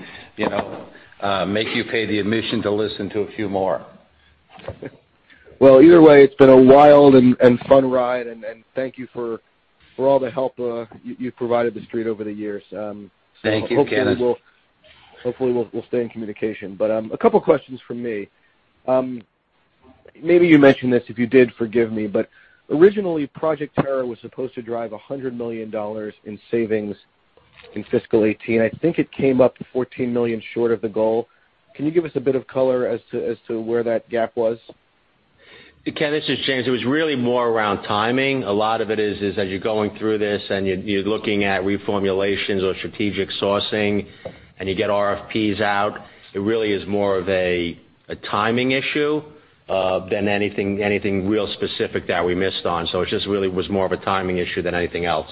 make you pay the admission to listen to a few more. Well, either way, it's been a wild and fun ride, and thank you for all the help you've provided the street over the years. Thank you, Ken. Hopefully, we'll stay in communication. A couple of questions from me. Maybe you mentioned this. If you did, forgive me, but originally, Project Terra was supposed to drive $100 million in savings in fiscal 2018. I think it came up $14 million short of the goal. Can you give us a bit of color as to where that gap was? Ken, this is James. It was really more around timing. A lot of it is as you're going through this and you're looking at reformulations or strategic sourcing and you get RFPs out, it really is more of a timing issue than anything real specific that we missed on. It just really was more of a timing issue than anything else.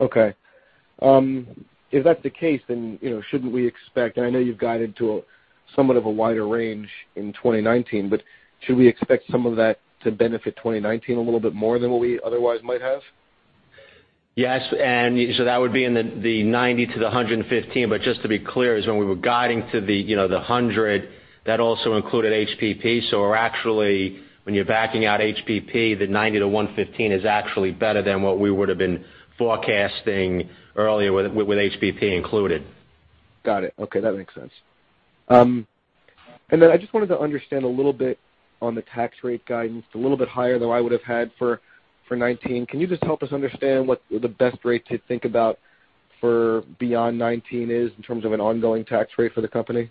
Okay. If that's the case, shouldn't we expect, I know you've guided to somewhat of a wider range in 2019, should we expect some of that to benefit 2019 a little bit more than what we otherwise might have? Yes. That would be in the 90 to the 115. Just to be clear, is when we were guiding to the 100, that also included HPP. Actually, when you're backing out HPP, the 90 to 115 is actually better than what we would've been forecasting earlier with HPP included. Got it. Okay, that makes sense. I just wanted to understand a little bit on the tax rate guidance. It's a little bit higher than what I would have had for 2019. Can you just help us understand what the best rate to think about for beyond 2019 is in terms of an ongoing tax rate for the company?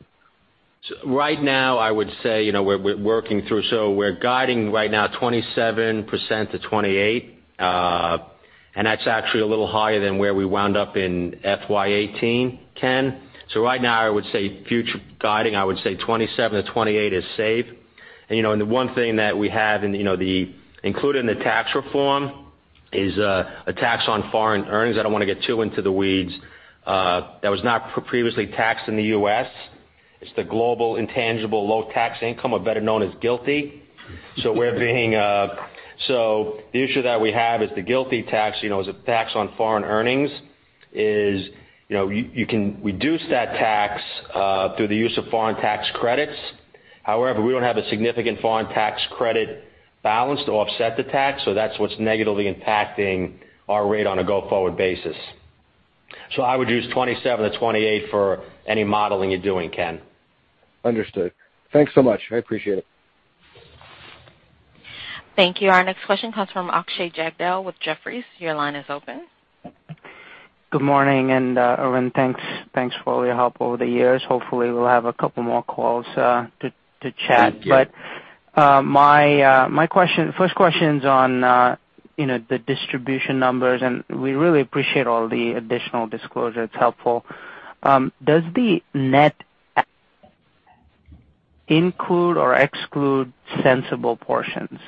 Right now, I would say we're working through We're guiding right now 27%-28%. That's actually a little higher than where we wound up in FY 2018, Ken. Right now, I would say future guiding, I would say 27%-28% is safe. The one thing that we have included in the tax reform is a tax on foreign earnings. I don't want to get too into the weeds. That was not previously taxed in the U.S. It's the global intangible low tax income, or better known as GILTI. The issue that we have is the GILTI tax is a tax on foreign earnings, is you can reduce that tax, through the use of foreign tax credits. However, we don't have a significant foreign tax credit balance to offset the tax, that's what's negatively impacting our rate on a go-forward basis. I would use 27 to 28 for any modeling you're doing, Ken. Understood. Thanks so much. I appreciate it. Thank you. Our next question comes from Akshay Jagdale with Jefferies. Your line is open. Good morning, Irwin, thanks for all your help over the years. Hopefully, we'll have a couple more calls to chat. Thank you. My first question's on the distribution numbers, and we really appreciate all the additional disclosure. It's helpful. Does the net include or exclude Sensible Portions?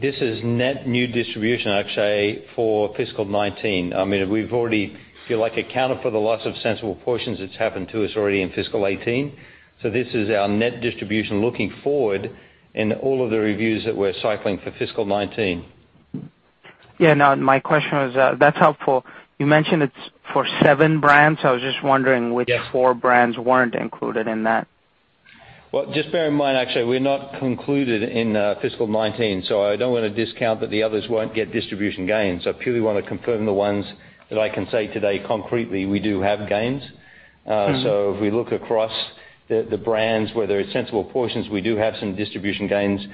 This is net new distribution, Akshay, for fiscal 2019. We've already, if you like, accounted for the loss of Sensible Portions that's happened to us already in fiscal 2018. This is our net distribution looking forward in all of the reviews that we're cycling for fiscal 2019. Yeah, no. That's helpful. You mentioned it's for seven brands. Yes which four brands weren't included in that. Just bear in mind, Akshay, we're not concluded in fiscal 2019, I don't want to discount that the others won't get distribution gains. I purely want to confirm the ones that I can say today concretely we do have gains. If we look across the brands, whether it's Sensible Portions, we do have some distribution gains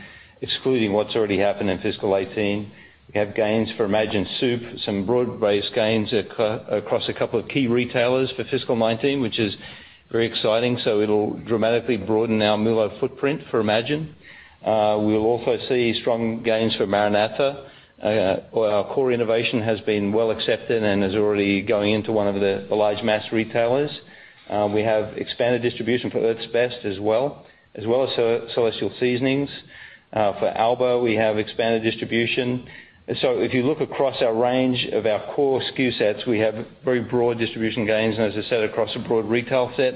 excluding what's already happened in fiscal 2018. We have gains for Imagine Soup, some broad-based gains across a couple of key retailers for fiscal 2019, which is very exciting. It'll dramatically broaden our MULO footprint for Imagine. We'll also see strong gains for MaraNatha. Our core innovation has been well accepted and is already going into one of the large mass retailers. We have expanded distribution for Earth's Best as well, as well as Celestial Seasonings. For Alba, we have expanded distribution. If you look across our range of our core SKU sets, we have very broad distribution gains, and as I said, across a broad retail set.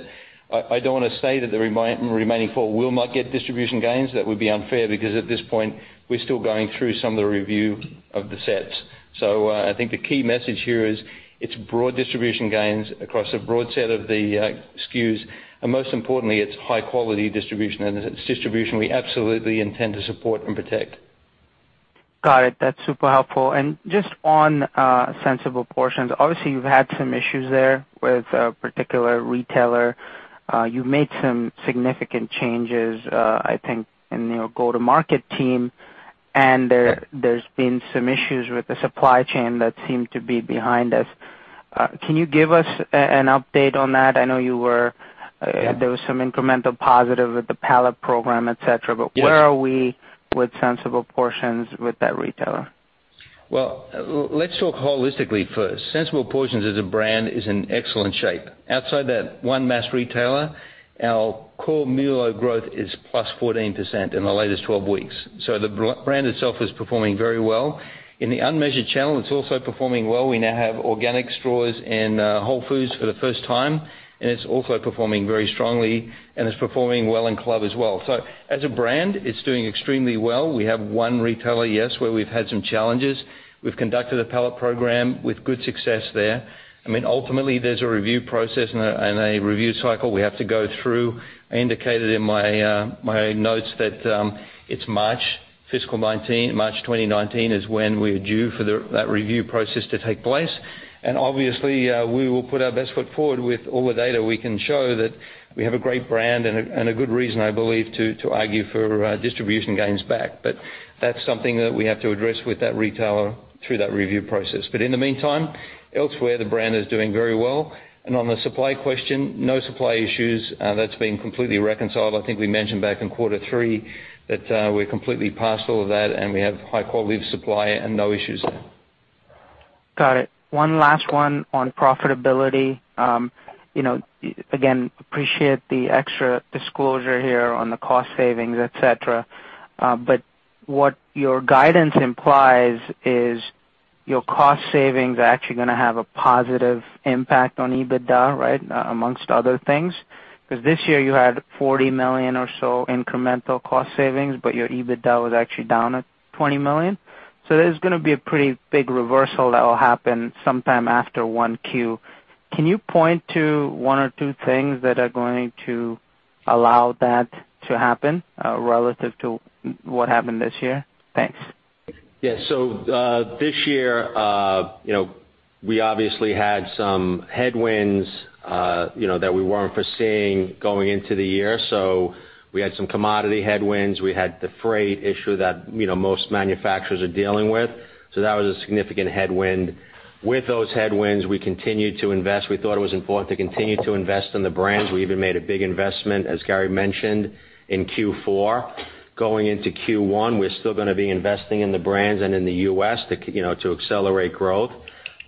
I don't want to say that the remaining four will not get distribution gains. That would be unfair because, at this point, we're still going through some of the review of the sets. I think the key message here is it's broad distribution gains across a broad set of the SKUs. Most importantly, it's high-quality distribution, and it's distribution we absolutely intend to support and protect. Got it. That's super helpful. Just on Sensible Portions, obviously, you've had some issues there with a particular retailer. You've made some significant changes, I think, in your go-to-market team, and there's been some issues with the supply chain that seem to be behind us. Can you give us an update on that? I know there was some incremental positive with the pallet program, et cetera, but where are we with Sensible Portions with that retailer? Well, let's talk holistically first. Sensible Portions as a brand is in excellent shape. Outside that one mass retailer, our core MULO growth is +14% in the latest 12 weeks. The brand itself is performing very well. In the unmeasured channel, it's also performing well. We now have organic straws in Whole Foods for the first time, and it's also performing very strongly and it's performing well in club as well. As a brand, it's doing extremely well. We have one retailer, yes, where we've had some challenges. We've conducted a pallet program with good success there. Ultimately, there's a review process and a review cycle we have to go through. I indicated in my notes that it's March FY 2019, March 2019 is when we're due for that review process to take place. Obviously, we will put our best foot forward with all the data we can show that we have a great brand and a good reason, I believe, to argue for distribution gains back. That's something that we have to address with that retailer through that review process. In the meantime, elsewhere, the brand is doing very well. On the supply question, no supply issues. That's been completely reconciled. I think we mentioned back in quarter three that we're completely past all of that and we have high quality of supply and no issues there. Got it. One last one on profitability. Again, appreciate the extra disclosure here on the cost savings, et cetera. What your guidance implies is your cost savings are actually gonna have a positive impact on EBITDA, right? Amongst other things. Because this year you had $40 million or so incremental cost savings, but your EBITDA was actually down at $20 million. There's gonna be a pretty big reversal that will happen sometime after one Q. Can you point to one or two things that are going to allow that to happen, relative to what happened this year? Thanks. Yeah. This year we obviously had some headwinds that we weren't foreseeing going into the year. We had some commodity headwinds. We had the freight issue that most manufacturers are dealing with. That was a significant headwind. With those headwinds, we continued to invest. We thought it was important to continue to invest in the brands. We even made a big investment, as Gary mentioned, in Q4. Going into Q1, we're still gonna be investing in the brands and in the U.S. to accelerate growth.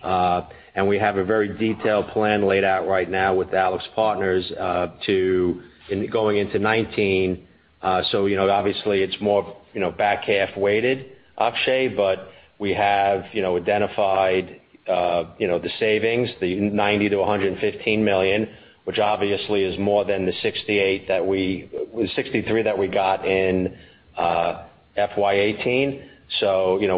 We have a very detailed plan laid out right now with AlixPartners going into 2019. Obviously, it's more back-half weighted, Akshay, but we have identified the savings, the $90 million-$115 million, which obviously is more than the $63 million that we got in FY 2018.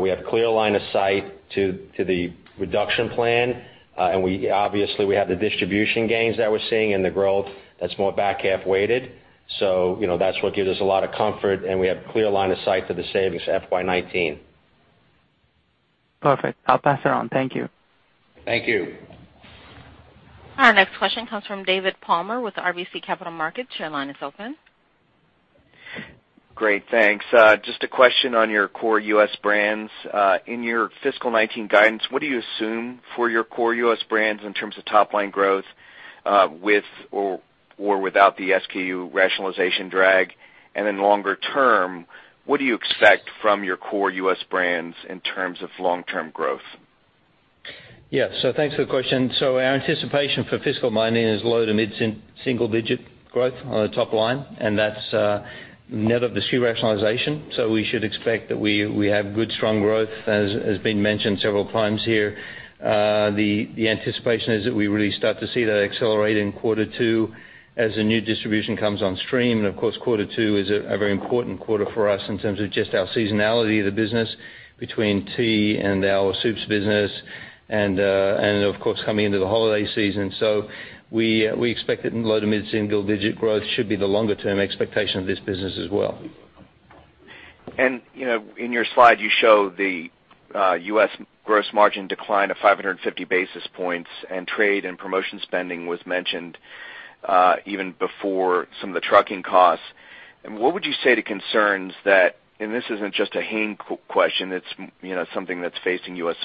We have clear line of sight to the reduction plan. Obviously, we have the distribution gains that we're seeing and the growth that's more back-half weighted. That's what gives us a lot of comfort, and we have clear line of sight to the savings FY 2019. Perfect. I'll pass it on. Thank you. Thank you. Our next question comes from David Palmer with RBC Capital Markets. Your line is open. Great. Thanks. Just a question on your core U.S. brands. In your fiscal 2019 guidance, what do you assume for your core U.S. brands in terms of top-line growth, with or without the SKU rationalization drag? Then longer term, what do you expect from your core U.S. brands in terms of long-term growth? Yeah. Thanks for the question. Our anticipation for fiscal 2019 is low to mid single digit growth on the top line, and that's net of the SKU rationalization. We should expect that we have good, strong growth, as has been mentioned several times here. The anticipation is that we really start to see that accelerate in quarter two as the new distribution comes on stream. Of course, quarter two is a very important quarter for us in terms of just our seasonality of the business between tea and our soups business and, of course, coming into the holiday season. We expect that low to mid single digit growth should be the longer-term expectation of this business as well. In your slide, you show the U.S. gross margin decline of 550 basis points. Trade and promotion spending was mentioned even before some of the trucking costs. What would you say to concerns that, this isn't just a Hain question, it's something that's facing U.S.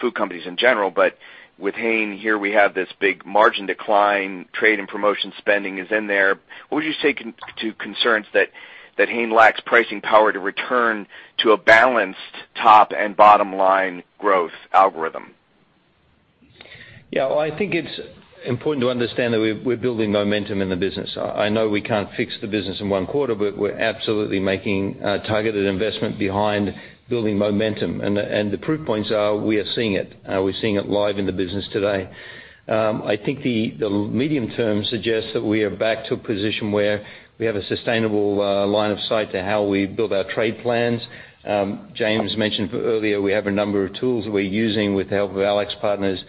food companies in general, but with Hain here, we have this big margin decline, trade and promotion spending is in there. What would you say to concerns that Hain lacks pricing power to return to a balanced top and bottom-line growth algorithm? I think it's important to understand that we're building momentum in the business. I know we can't fix the business in one quarter, but we're absolutely making a targeted investment behind building momentum, and the proof points are, we are seeing it. We're seeing it live in the business today. I think the medium term suggests that we are back to a position where we have a sustainable line of sight to how we build our trade plans. James mentioned earlier, we have a number of tools we're using with the help of AlixPartners to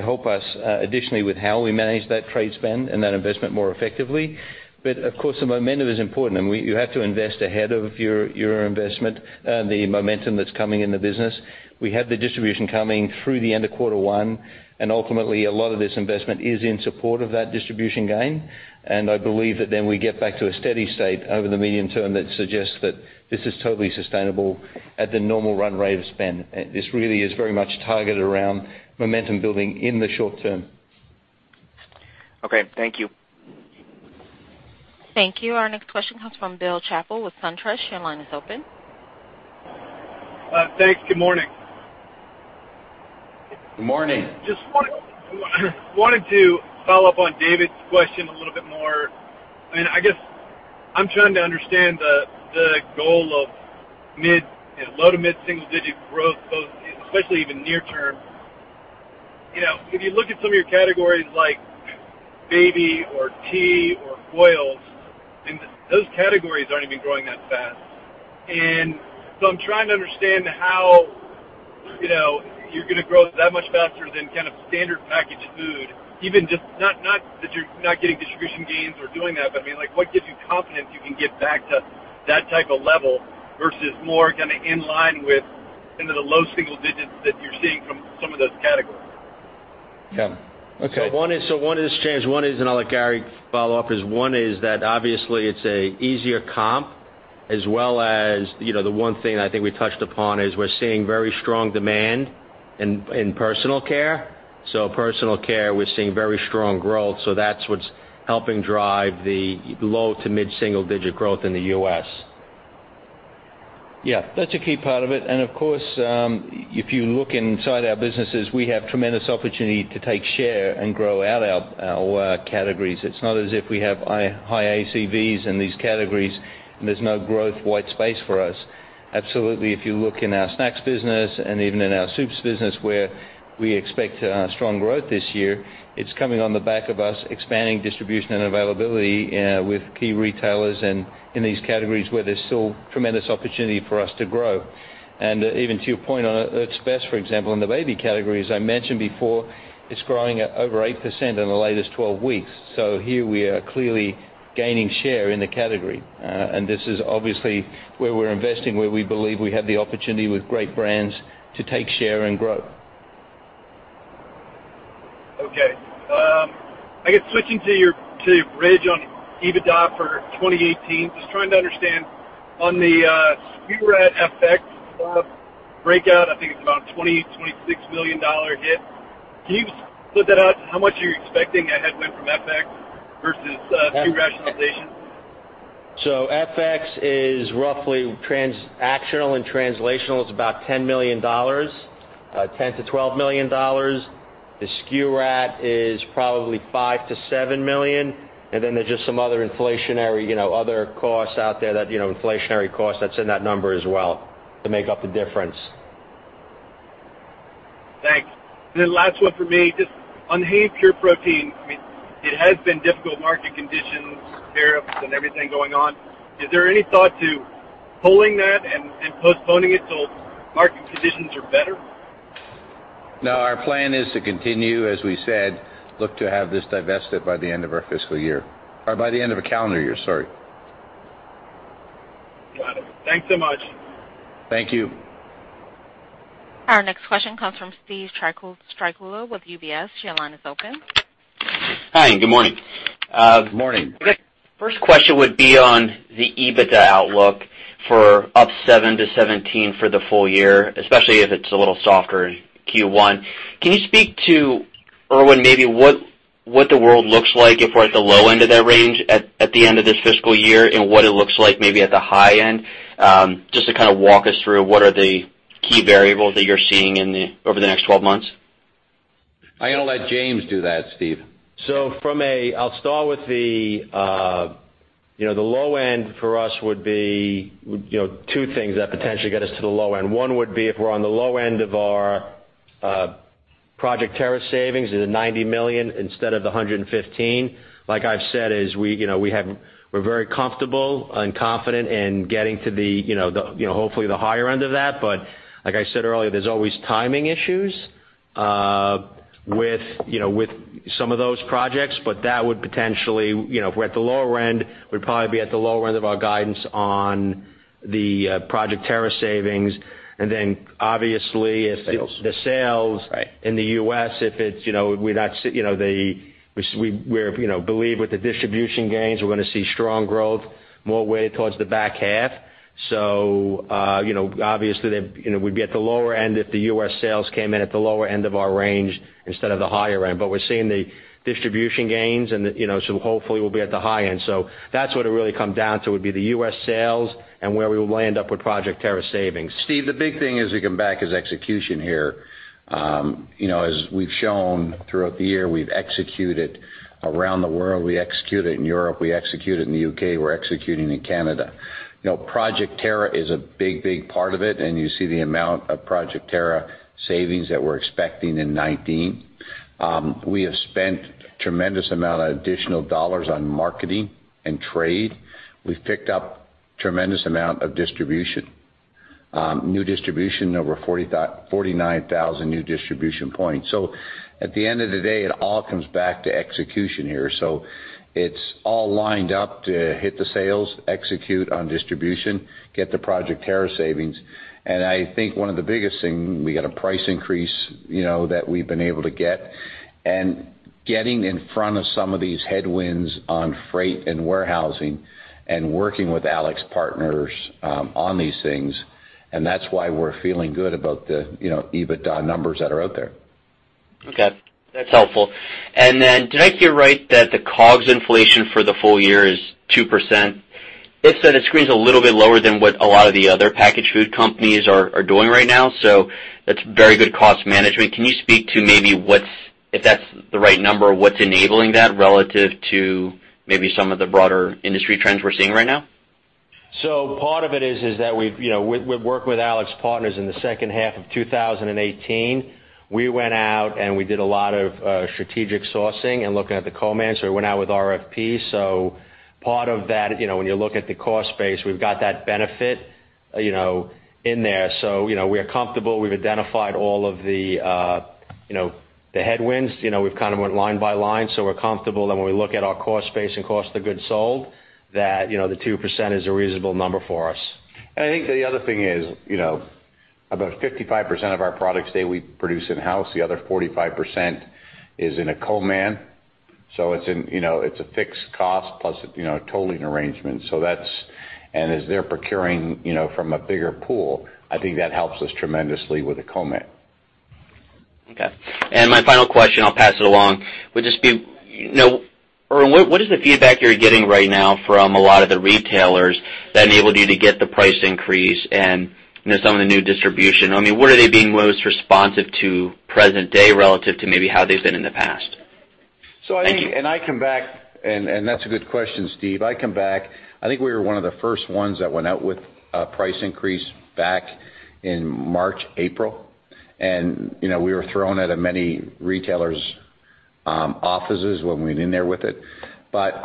help us additionally with how we manage that trade spend and that investment more effectively. Of course, the momentum is important, and you have to invest ahead of your investment, the momentum that's coming in the business. We have the distribution coming through the end of quarter one. Ultimately, a lot of this investment is in support of that distribution gain. I believe that then we get back to a steady state over the medium term that suggests that this is totally sustainable at the normal run rate of spend. This really is very much targeted around momentum building in the short term. Okay. Thank you. Thank you. Our next question comes from Bill Chappell with SunTrust. Your line is open. Thanks. Good morning. Good morning. Just wanted to follow up on David's question a little bit more. I guess I'm trying to understand the goal of low to mid single-digit growth, especially even near term. If you look at some of your categories like baby or tea or oils, those categories aren't even growing that fast. I'm trying to understand how you're going to grow that much faster than kind of standard packaged food, even just not that you're not getting distribution gains or doing that, but I mean, what gives you confidence you can get back to that type of level versus more kind of in line with into the low single digits that you're seeing from some of those categories? Okay. One is, James, and I'll let Gary follow up, is one is that obviously it's an easier comp as well as the one thing I think we touched upon is we are seeing very strong demand in personal care. Personal care, we are seeing very strong growth. That is what is helping drive the low to mid single digit growth in the U.S. Yeah, that is a key part of it. Of course, if you look inside our businesses, we have tremendous opportunity to take share and grow out our categories. It is not as if we have high ACVs in these categories and there is no growth white space for us. Absolutely, if you look in our snacks business and even in our soups business where we expect strong growth this year, it is coming on the back of us expanding distribution and availability with key retailers and in these categories where there is still tremendous opportunity for us to grow. Even to your point on Earth's Best, for example, in the baby category, as I mentioned before, it is growing at over 8% in the latest 12 weeks. Here we are clearly gaining share in the category. This is obviously where we are investing, where we believe we have the opportunity with great brands to take share and grow. Okay. I guess switching to your bridge on EBITDA for 2018, just trying to understand on the SKU rationalization FX breakout, I think it is about a $20 million-$26 million hit. Can you split that out how much you are expecting a headwind from FX versus SKU rationalization? FX is roughly transactional and translational is about $10 million, $10 million-$12 million. The SKU rationalization is probably $5 million-$7 million, and then there's just some other inflationary, other costs out there that, inflationary cost that's in that number as well to make up the difference. Thanks. Last one for me, just on Hain Pure Protein, I mean, it has been difficult market conditions, tariffs, and everything going on. Is there any thought to pulling that and postponing it till market conditions are better? No, our plan is to continue, as we said, look to have this divested by the end of our fiscal year or by the end of the calendar year, sorry. Got it. Thanks so much. Thank you. Our next question comes from Steven Strycula with UBS. Your line is open. Hi, good morning. Good morning. First question would be on the EBITDA outlook for up 7%-17% for the full year, especially if it's a little softer in Q1. Can you speak to, Irwin, maybe what the world looks like if we're at the low end of that range at the end of this fiscal year and what it looks like maybe at the high end, just to kind of walk us through what are the key variables that you're seeing over the next 12 months? I'm going to let James do that, Steve. I'll start with the low end for us would be two things that potentially get us to the low end. One would be if we're on the low end of our Project Terra savings at a $90 million instead of the $115. Like I've said is we're very comfortable and confident in getting to the hopefully the higher end of that. Like I said earlier, there's always timing issues with some of those projects, but that would potentially, if we're at the lower end, we'd probably be at the lower end of our guidance on the Project Terra savings. Obviously if the sales Right in the U.S., if we believe with the distribution gains, we're going to see strong growth more weighted towards the back half. Obviously, we'd be at the lower end if the U.S. sales came in at the lower end of our range instead of the higher end. We're seeing the distribution gains hopefully we'll be at the high end. That's what it really come down to would be the U.S. sales and where we will end up with Project Terra savings. Steve, the big thing as we come back is execution here. As we've shown throughout the year, we've executed around the world. We executed in Europe, we executed in the U.K., we're executing in Canada. Project Terra is a big, big part of it, and you see the amount of Project Terra savings that we're expecting in 2019. We have spent tremendous amount of additional dollars on marketing and trade. We've picked up tremendous amount of distribution, new distribution, over 49,000 new distribution points. At the end of the day, it all comes back to execution here. It's all lined up to hit the sales, execute on distribution, get the Project Terra savings. I think one of the biggest thing, we got a price increase that we've been able to get and getting in front of some of these headwinds on freight and warehousing and working with AlixPartners on these things, that's why we're feeling good about the EBITDA numbers that are out there. Okay, that's helpful. Did I hear right that the COGS inflation for the full year is 2%? If so, that screams a little bit lower than what a lot of the other packaged food companies are doing right now, that's very good cost management. Can you speak to maybe if that's the right number, what's enabling that relative to maybe some of the broader industry trends we're seeing right now? Part of it is that we've worked with AlixPartners in the second half of 2018. We went out and we did a lot of strategic sourcing and looking at the co-man, we went out with RFP. Part of that, when you look at the cost base, we've got that benefit in there. We are comfortable. We've identified all of the headwinds. We've kind of went line by line, we're comfortable that when we look at our cost base and cost of goods sold, that the 2% is a reasonable number for us. I think the other thing is, about 55% of our products today we produce in-house. The other 45% is in a co-man. It's a fixed cost plus a tolling arrangement. As they're procuring from a bigger pool, I think that helps us tremendously with the co-man. Okay. My final question, I'll pass it along. Irwin, what is the feedback you're getting right now from a lot of the retailers that enabled you to get the price increase and some of the new distribution? What are they being most responsive to present day relative to maybe how they've been in the past? I think. Thank you. That's a good question, Steve. I come back, I think we were one of the first ones that went out with a price increase back in March, April. We were thrown out of many retailers' offices when we went in there with it.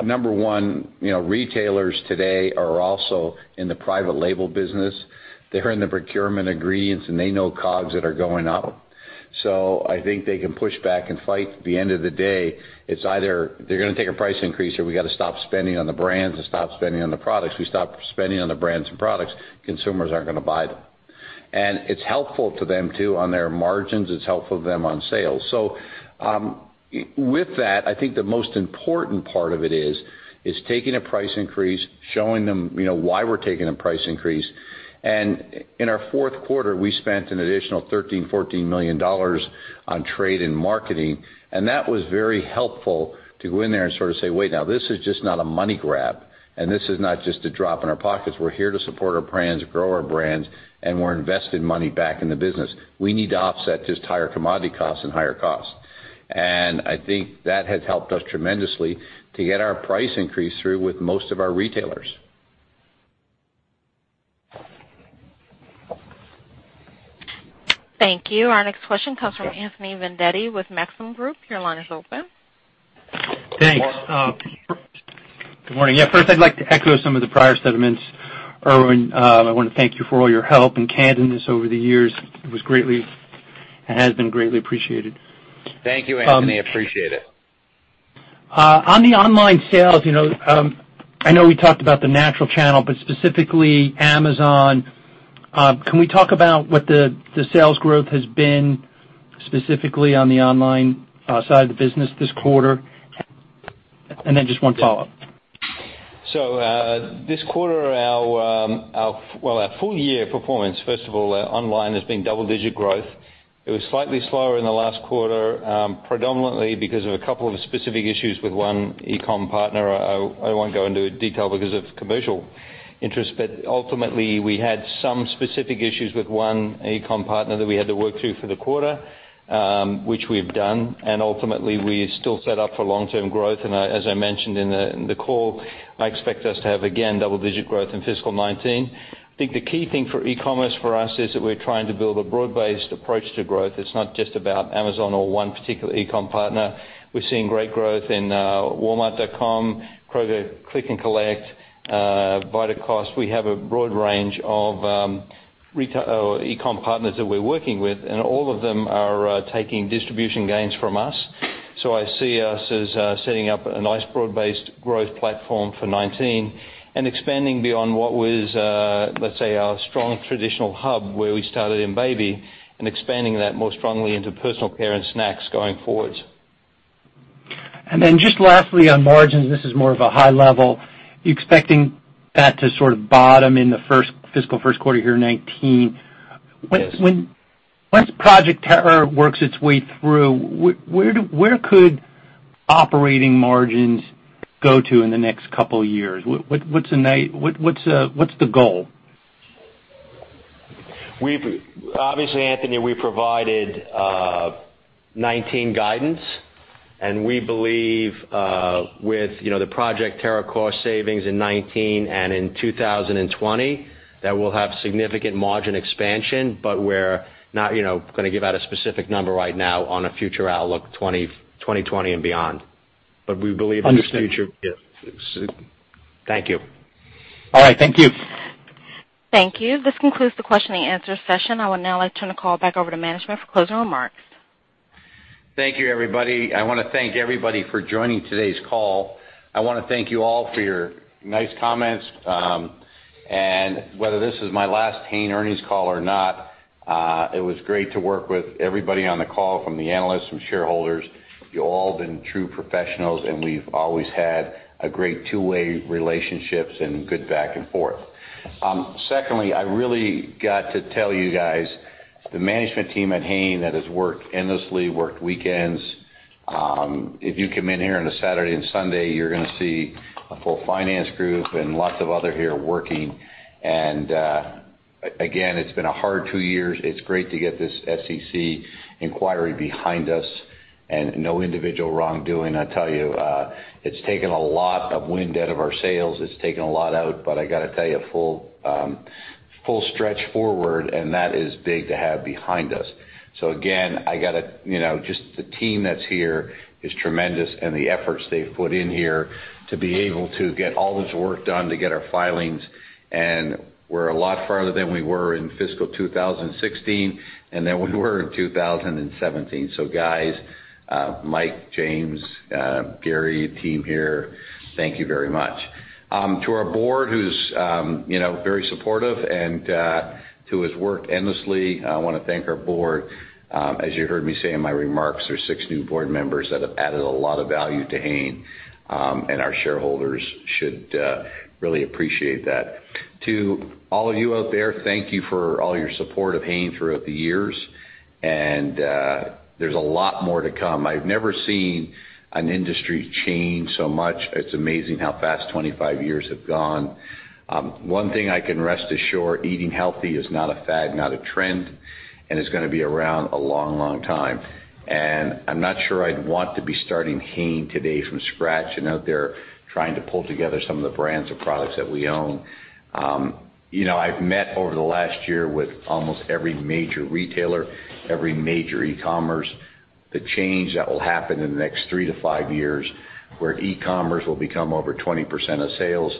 Number one, retailers today are also in the private label business. They're in the procurement agreements, and they know COGS that are going up. I think they can push back and fight. At the end of the day, it's either they're going to take a price increase or we have to stop spending on the brands and stop spending on the products. We stop spending on the brands and products, consumers aren't going to buy them. It's helpful to them, too, on their margins. It's helpful to them on sales. With that, I think the most important part of it is taking a price increase, showing them why we're taking a price increase, and in our fourth quarter, we spent an additional $13 million-$14 million on trade and marketing, and that was very helpful to go in there and sort of say, "Wait, now this is just not a money grab, and this is not just a drop in our pockets. We're here to support our brands, grow our brands, and we're investing money back in the business. We need to offset just higher commodity costs and higher costs." I think that has helped us tremendously to get our price increase through with most of our retailers. Thank you. Our next question comes from Anthony Vendetti with Maxim Group. Your line is open. Thanks. Good morning. First I'd like to echo some of the prior sentiments, Irwin. I want to thank you for all your help in guiding us over the years. It was greatly, and has been greatly appreciated. Thank you, Anthony. Appreciate it. On the online sales, I know we talked about the natural channel, but specifically Amazon, can we talk about what the sales growth has been specifically on the online side of the business this quarter? Then just one follow-up. This quarter, our full year performance, first of all, online has been double-digit growth. It was slightly slower in the last quarter, predominantly because of a couple of specific issues with one e-com partner. I won't go into detail because of commercial interest. Ultimately, we had some specific issues with one e-com partner that we had to work through for the quarter, which we've done, and ultimately, we're still set up for long-term growth. As I mentioned in the call, I expect us to have, again, double-digit growth in fiscal 2019. I think the key thing for e-commerce for us is that we're trying to build a broad-based approach to growth. It's not just about Amazon or one particular e-com partner. We're seeing great growth in Walmart.com, Kroger Click List and Collect, Vitacost. We have a broad range of e-com partners that we're working with, and all of them are taking distribution gains from us. I see us as setting up a nice broad-based growth platform for 2019 and expanding beyond what was, let's say, our strong traditional hub where we started in baby and expanding that more strongly into personal care and snacks going forwards. Just lastly on margins, this is more of a high level. You're expecting that to sort of bottom in the fiscal first quarter of year 2019. Yes. Once Project Terra works its way through, where could operating margins go to in the next couple of years? What's the goal? Obviously, Anthony, we provided 2019 guidance, we believe, with the Project Terra cost savings in 2019 and in 2020, that we'll have significant margin expansion, we're not gonna give out a specific number right now on a future outlook 2020 and beyond. We believe in the future, yes. Understood. Thank you. All right. Thank you. Thank you. This concludes the questioning and answer session. I would now like to turn the call back over to management for closing remarks. Thank you, everybody. I want to thank everybody for joining today's call. I want to thank you all for your nice comments. Whether this is my last Hain earnings call or not, it was great to work with everybody on the call, from the analysts, from shareholders. You all have been true professionals, and we've always had a great two-way relationships and good back and forth. Secondly, I really got to tell you guys, the management team at Hain that has worked endlessly, worked weekends If you come in here on a Saturday and Sunday, you're going to see a full finance group and lots of other here working. Again, it's been a hard two years. It's great to get this SEC inquiry behind us and no individual wrongdoing. I tell you, it's taken a lot of wind out of our sails. It's taken a lot out, I got to tell you, full stretch forward, and that is big to have behind us. Again, just the team that's here is tremendous and the efforts they've put in here to be able to get all this work done, to get our filings, and we're a lot farther than we were in fiscal 2016 and than we were in 2017. Guys, Mike, James, Gary, team here, thank you very much. To our board, who's very supportive and who has worked endlessly, I want to thank our board. As you heard me say in my remarks, there's six new board members that have added a lot of value to Hain, and our shareholders should really appreciate that. To all of you out there, thank you for all your support of Hain throughout the years, and there's a lot more to come. I've never seen an industry change so much. It's amazing how fast 25 years have gone. One thing I can rest assure, eating healthy is not a fad, not a trend, and it's going to be around a long time. I'm not sure I'd want to be starting Hain today from scratch and out there trying to pull together some of the brands of products that we own. I've met over the last year with almost every major retailer, every major e-commerce. The change that will happen in the next three to five years, where e-commerce will become over 20% of sales,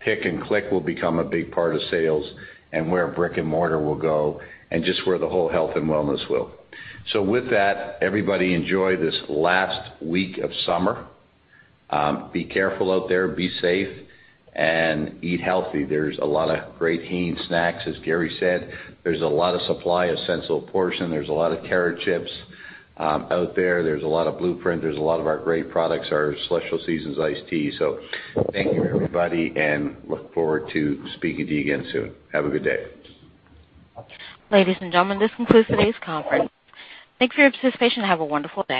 pick and click will become a big part of sales, and where brick and mortar will go, and just where the whole health and wellness will. With that, everybody enjoy this last week of summer. Be careful out there, be safe, and eat healthy. There's a lot of great Hain snacks, as Gary said. There's a lot of supply of Sensible Portions. There's a lot of carrot chips out there. There's a lot of BluePrint. There's a lot of our great products, our Celestial Seasonings iced tea. Thank you, everybody, and look forward to speaking to you again soon. Have a good day. Ladies and gentlemen, this concludes today's conference. Thank you for your participation, and have a wonderful day.